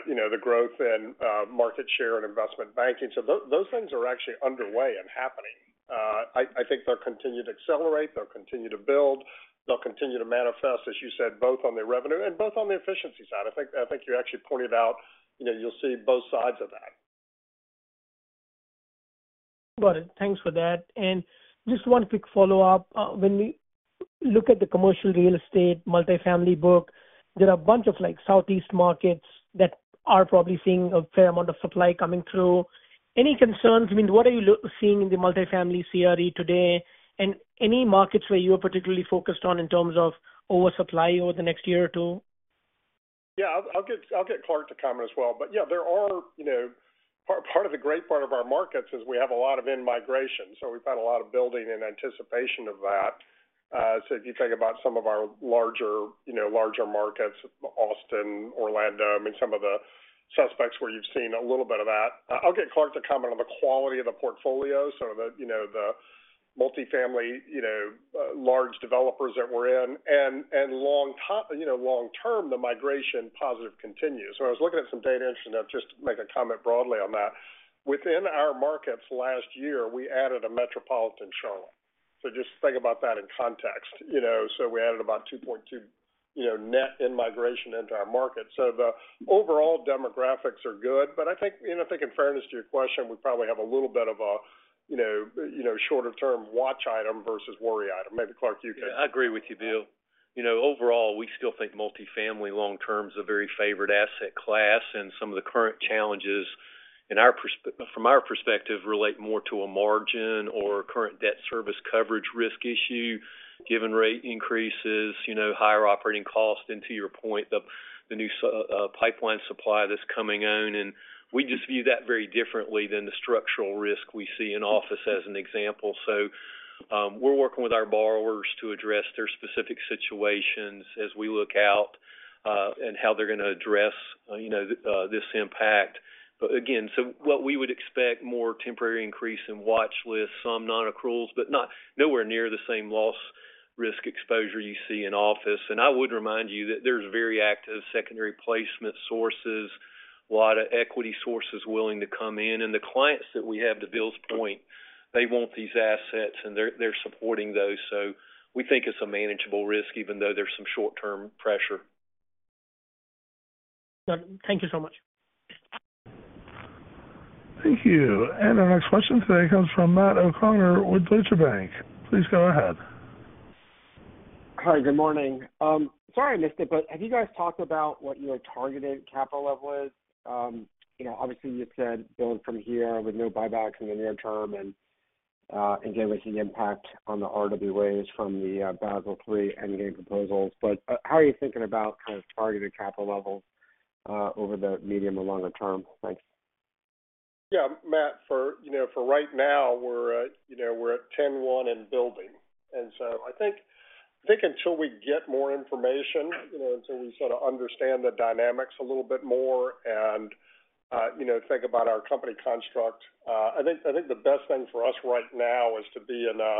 you know, the growth in market share and investment banking. So those things are actually underway and happening. I think they'll continue to accelerate, they'll continue to build, they'll continue to manifest, as you said, both on the revenue and both on the efficiency side. I think you actually pointed out, you know, you'll see both sides of that. Got it. Thanks for that. And just one quick follow-up. When we look at the commercial real estate multifamily book, there are a bunch of, like, Southeast markets that are probably seeing a fair amount of supply coming through. Any concerns? I mean, what are you seeing in the multifamily CRE today, and any markets where you are particularly focused on in terms of oversupply over the next year or two? Yeah, I'll get Clarke to comment as well. But, yeah, there are, you know, part of the great part of our markets is we have a lot of in-migration, so we've had a lot of building in anticipation of that. So if you think about some of our larger, you know, larger markets, Austin, Orlando, I mean, some of the suspects where you've seen a little bit of that. I'll get Clarke to comment on the quality of the portfolio. So the, you know, the multifamily, you know, large developers that we're in. And long top, you know, long term, the migration positive continues. So I was looking at some data, interesting, just to make a comment broadly on that. Within our markets last year, we added a metropolitan Charlotte. So just think about that in context. You know, so we added about 2.2, you know, net in-migration into our market. So the overall demographics are good. But I think, you know, I think in fairness to your question, we probably have a little bit of a, you know, you know, shorter-term watch item versus worry item. Maybe, Clarke, you can- I agree with you, Bill. You know, overall, we still think multifamily long term is a very favored asset class, and some of the current challenges from our perspective relate more to a margin or current debt service coverage risk issue, given rate increases, you know, higher operating costs, and to your point, the new pipeline supply that's coming on. And we just view that very differently than the structural risk we see in office as an example. So, we're working with our borrowers to address their specific situations as we look out, and how they're going to address, you know, this impact. But again, so what we would expect more temporary increase in watchlist, some non-accruals, but not nowhere near the same loss risk exposure you see in office. I would remind you that there's very active secondary placement sources, a lot of equity sources willing to come in. The clients that we have, to Bill's point, they want these assets, and they're supporting those. We think it's a manageable risk, even though there's some short-term pressure. Thank you so much. Thank you. Our next question today comes from Matt O'Connor with Deutsche Bank. Please go ahead. Hi, good morning. Sorry I missed it, but have you guys talked about what your targeted capital level is? You know, obviously, you've said build from here with no buybacks in the near term and again, with the impact on the RWAs from the Basel III end game proposals. But how are you thinking about kind of targeted capital levels over the medium or longer term? Thanks. Yeah, Matt, for, you know, for right now, we're at, you know, we're at 10.1 and building. And so I think, I think until we get more information, you know, until we sort of understand the dynamics a little bit more and, you know, think about our company construct, I think, I think the best thing for us right now is to be in a,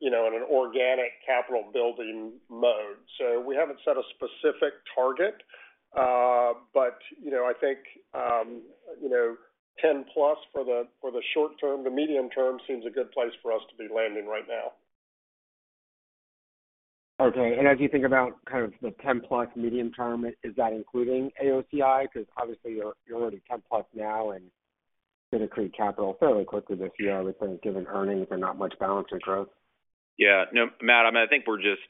you know, in an organic capital building mode. So we haven't set a specific target, but, you know, I think, you know, 10+ for the, for the short term, the medium term seems a good place for us to be landing right now. Okay. And as you think about kind of the 10+ medium term, is that including AOCI? Because obviously, you're already 10+ now and going to create capital fairly quickly this year, I would think, given earnings and not much balance or growth. Yeah. No, Matt, I mean, I think we're just,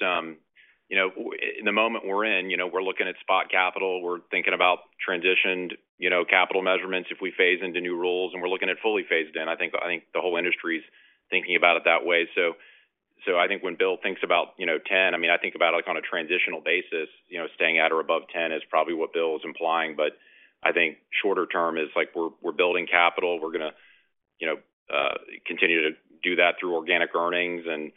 you know, in the moment we're in, you know, we're looking at spot capital. We're thinking about transitioned, you know, capital measurements if we phase into new rules, and we're looking at fully phased in. I think, I think the whole industry is thinking about it that way. So, so I think when Bill thinks about, you know, 10, I mean, I think about it, like, on a transitional basis, you know, staying at or above 10 is probably what Bill is implying. But I think shorter term is like, we're, we're building capital. We're going to, you know, continue to do that through organic earnings and,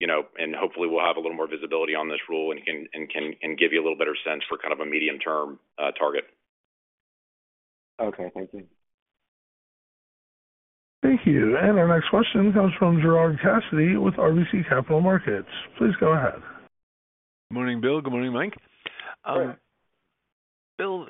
you know, and hopefully we'll have a little more visibility on this rule and can give you a little better sense for kind of a medium-term target. Okay, thank you. Thank you. And our next question comes from Gerard Cassidy with RBC Capital Markets. Please go ahead. Good morning, Bill. Good morning, Mike. Bill,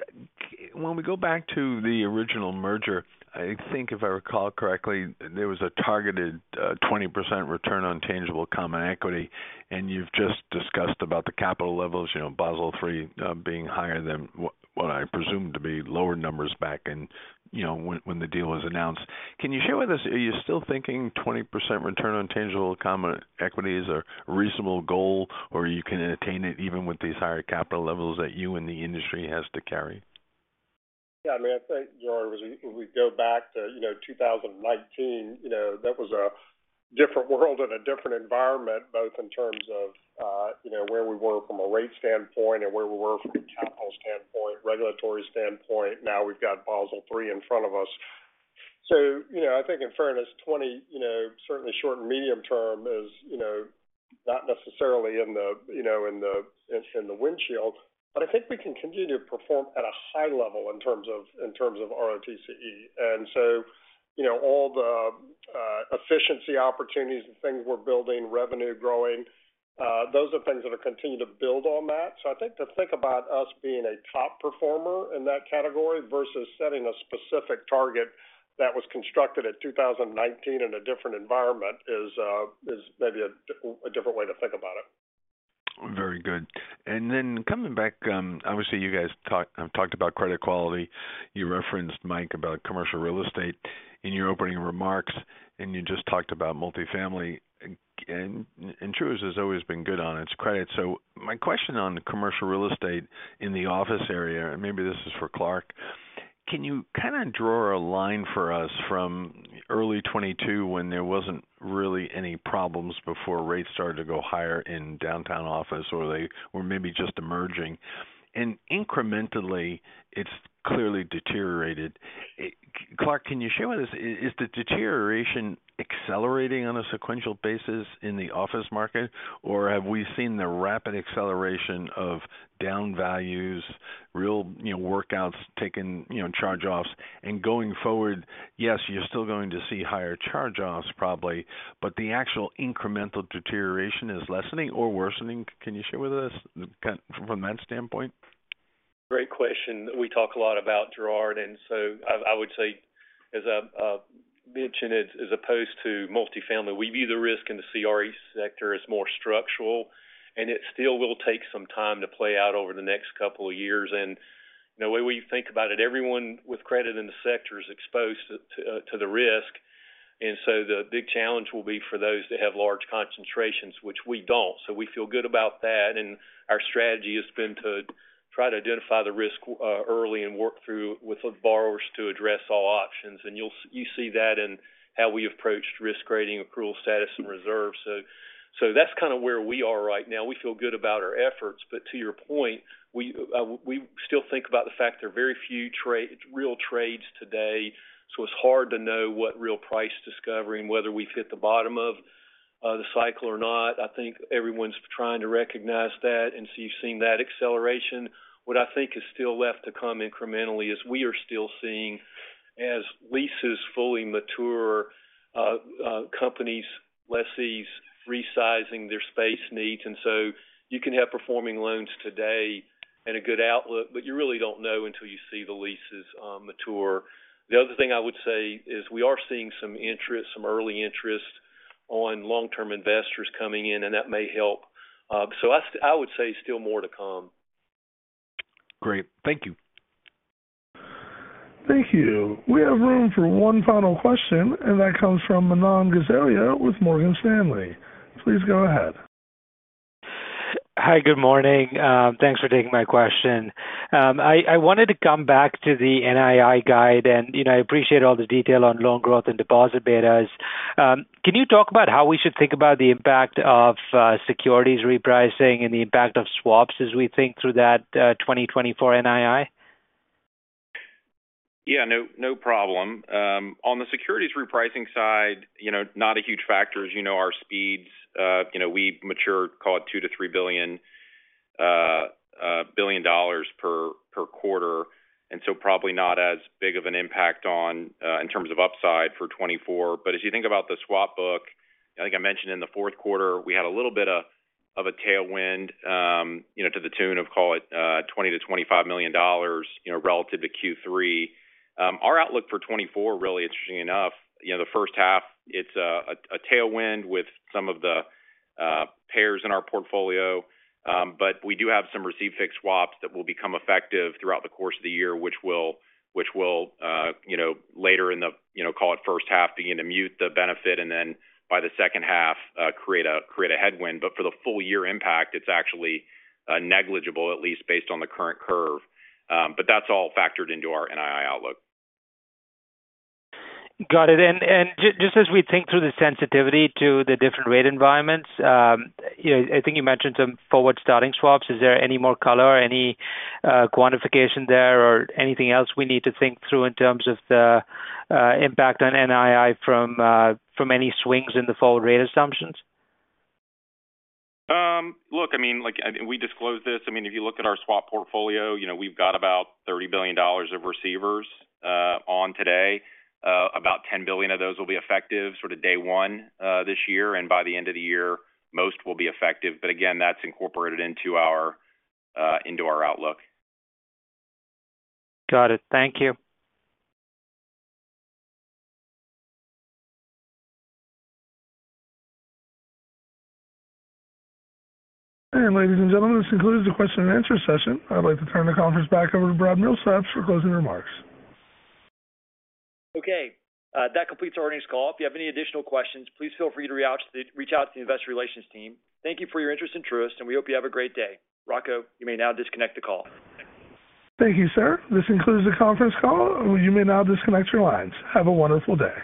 when we go back to the original merger, I think if I recall correctly, there was a targeted 20% return on tangible common equity, and you've just discussed about the capital levels, you know, Basel III being higher than what, what I presumed to be lower numbers back in, you know, when, when the deal was announced. Can you share with us, are you still thinking 20% return on tangible common equity is a reasonable goal, or you can attain it even with these higher capital levels that you and the industry has to carry? Yeah, I mean, I think, Gerard, as we if we go back to, you know, 2019, you know, that was a different world and a different environment, both in terms of, you know, where we were from a rate standpoint and where we were from a capital standpoint, regulatory standpoint. Now we've got Basel III in front of us. So, you know, I think in fairness, 20, you know, certainly short and medium term is, you know, not necessarily in the, you know, in the, in the windshield. But I think we can continue to perform at a high level in terms of, in terms of ROTCE. And so, you know, all the, efficiency opportunities and things we're building, revenue growing, those are things that are continuing to build on that. I think to think about us being a top performer in that category versus setting a specific target that was constructed at 2019 in a different environment is maybe a different way to think about it. Very good. And then coming back, obviously, you guys talked, talked about credit quality. You referenced Mike, about commercial real estate in your opening remarks, and you just talked about multifamily, and Truist has always been good on its credit. So my question on commercial real estate in the office area, and maybe this is for Clarke: Can you kind of draw a line for us from early 2022, when there wasn't really any problems before rates started to go higher in downtown office, or they were maybe just emerging? And incrementally, it's clearly deteriorated. Clarke, can you share with us, is the deterioration accelerating on a sequential basis in the office market, or have we seen the rapid acceleration of down values, real, you know, workouts taking, you know, charge-offs? Going forward, yes, you're still going to see higher charge-offs, probably, but the actual incremental deterioration is lessening or worsening. Can you share with us from that standpoint? Great question. We talk a lot about Gerard, and so I would say, as I mentioned, as opposed to multifamily, we view the risk in the CRE sector as more structural, and it still will take some time to play out over the next couple of years. And the way we think about it, everyone with credit in the sector is exposed to the risk. And so the big challenge will be for those that have large concentrations, which we don't. So we feel good about that, and our strategy has been to try to identify the risk early and work through with the borrowers to address all options. And you'll see that in how we approached risk grading, approval status, and reserves. So that's kind of where we are right now. We feel good about our efforts, but to your point, we, we still think about the fact there are very few real trades today, so it's hard to know what real price discovery and whether we've hit the bottom of the cycle or not. I think everyone's trying to recognize that, and so you've seen that acceleration. What I think is still left to come incrementally is we are still seeing, as leases fully mature, companies, lessees resizing their space needs. And so you can have performing loans today and a good outlook, but you really don't know until you see the leases mature. The other thing I would say is we are seeing some interest, some early interest on long-term investors coming in, and that may help. So I would say still more to come. Great. Thank you. Thank you. We have room for one final question, and that comes from Manan Gosalia with Morgan Stanley. Please go ahead. Hi, good morning. Thanks for taking my question. I wanted to come back to the NII guide, and, you know, I appreciate all the detail on loan growth and deposit betas. Can you talk about how we should think about the impact of securities repricing and the impact of swaps as we think through that 2024 NII? Yeah, no, no problem. On the securities repricing side, you know, not a huge factor. As you know, our speeds, you know, we mature, call it $2-$3 billion per quarter, and so probably not as big of an impact on, in terms of upside for 2024. But as you think about the swap book, I think I mentioned in the fourth quarter, we had a little bit of a tailwind, you know, to the tune of, call it, $20-$25 million, you know, relative to Q3. Our outlook for 2024, really interestingly enough, you know, the first half, it's a tailwind with some of the payers in our portfolio. But we do have some receive-fixed swaps that will become effective throughout the course of the year, which will, you know, later in the, you know, call it first half, begin to mute the benefit and then by the second half, create a headwind. But for the full year impact, it's actually negligible, at least based on the current curve. But that's all factored into our NII outlook. Got it. And, just as we think through the sensitivity to the different rate environments, you know, I think you mentioned some forward starting swaps. Is there any more color or any quantification there, or anything else we need to think through in terms of the impact on NII from any swings in the forward rate assumptions? Look, I mean, like and we disclosed this. I mean, if you look at our swap portfolio, you know, we've got about $30 billion of receivers on today. About $10 billion of those will be effective sort of day one this year, and by the end of the year, most will be effective. But again, that's incorporated into our outlook. Got it. Thank you. Ladies and gentlemen, this concludes the question and answer session. I'd like to turn the conference back over to Brad Milsaps for closing remarks. Okay, that completes our earnings call. If you have any additional questions, please feel free to reach out to the investor relations team. Thank you for your interest in Truist, and we hope you have a great day. Rocco, you may now disconnect the call. Thank you, sir. This concludes the conference call. You may now disconnect your lines. Have a wonderful day.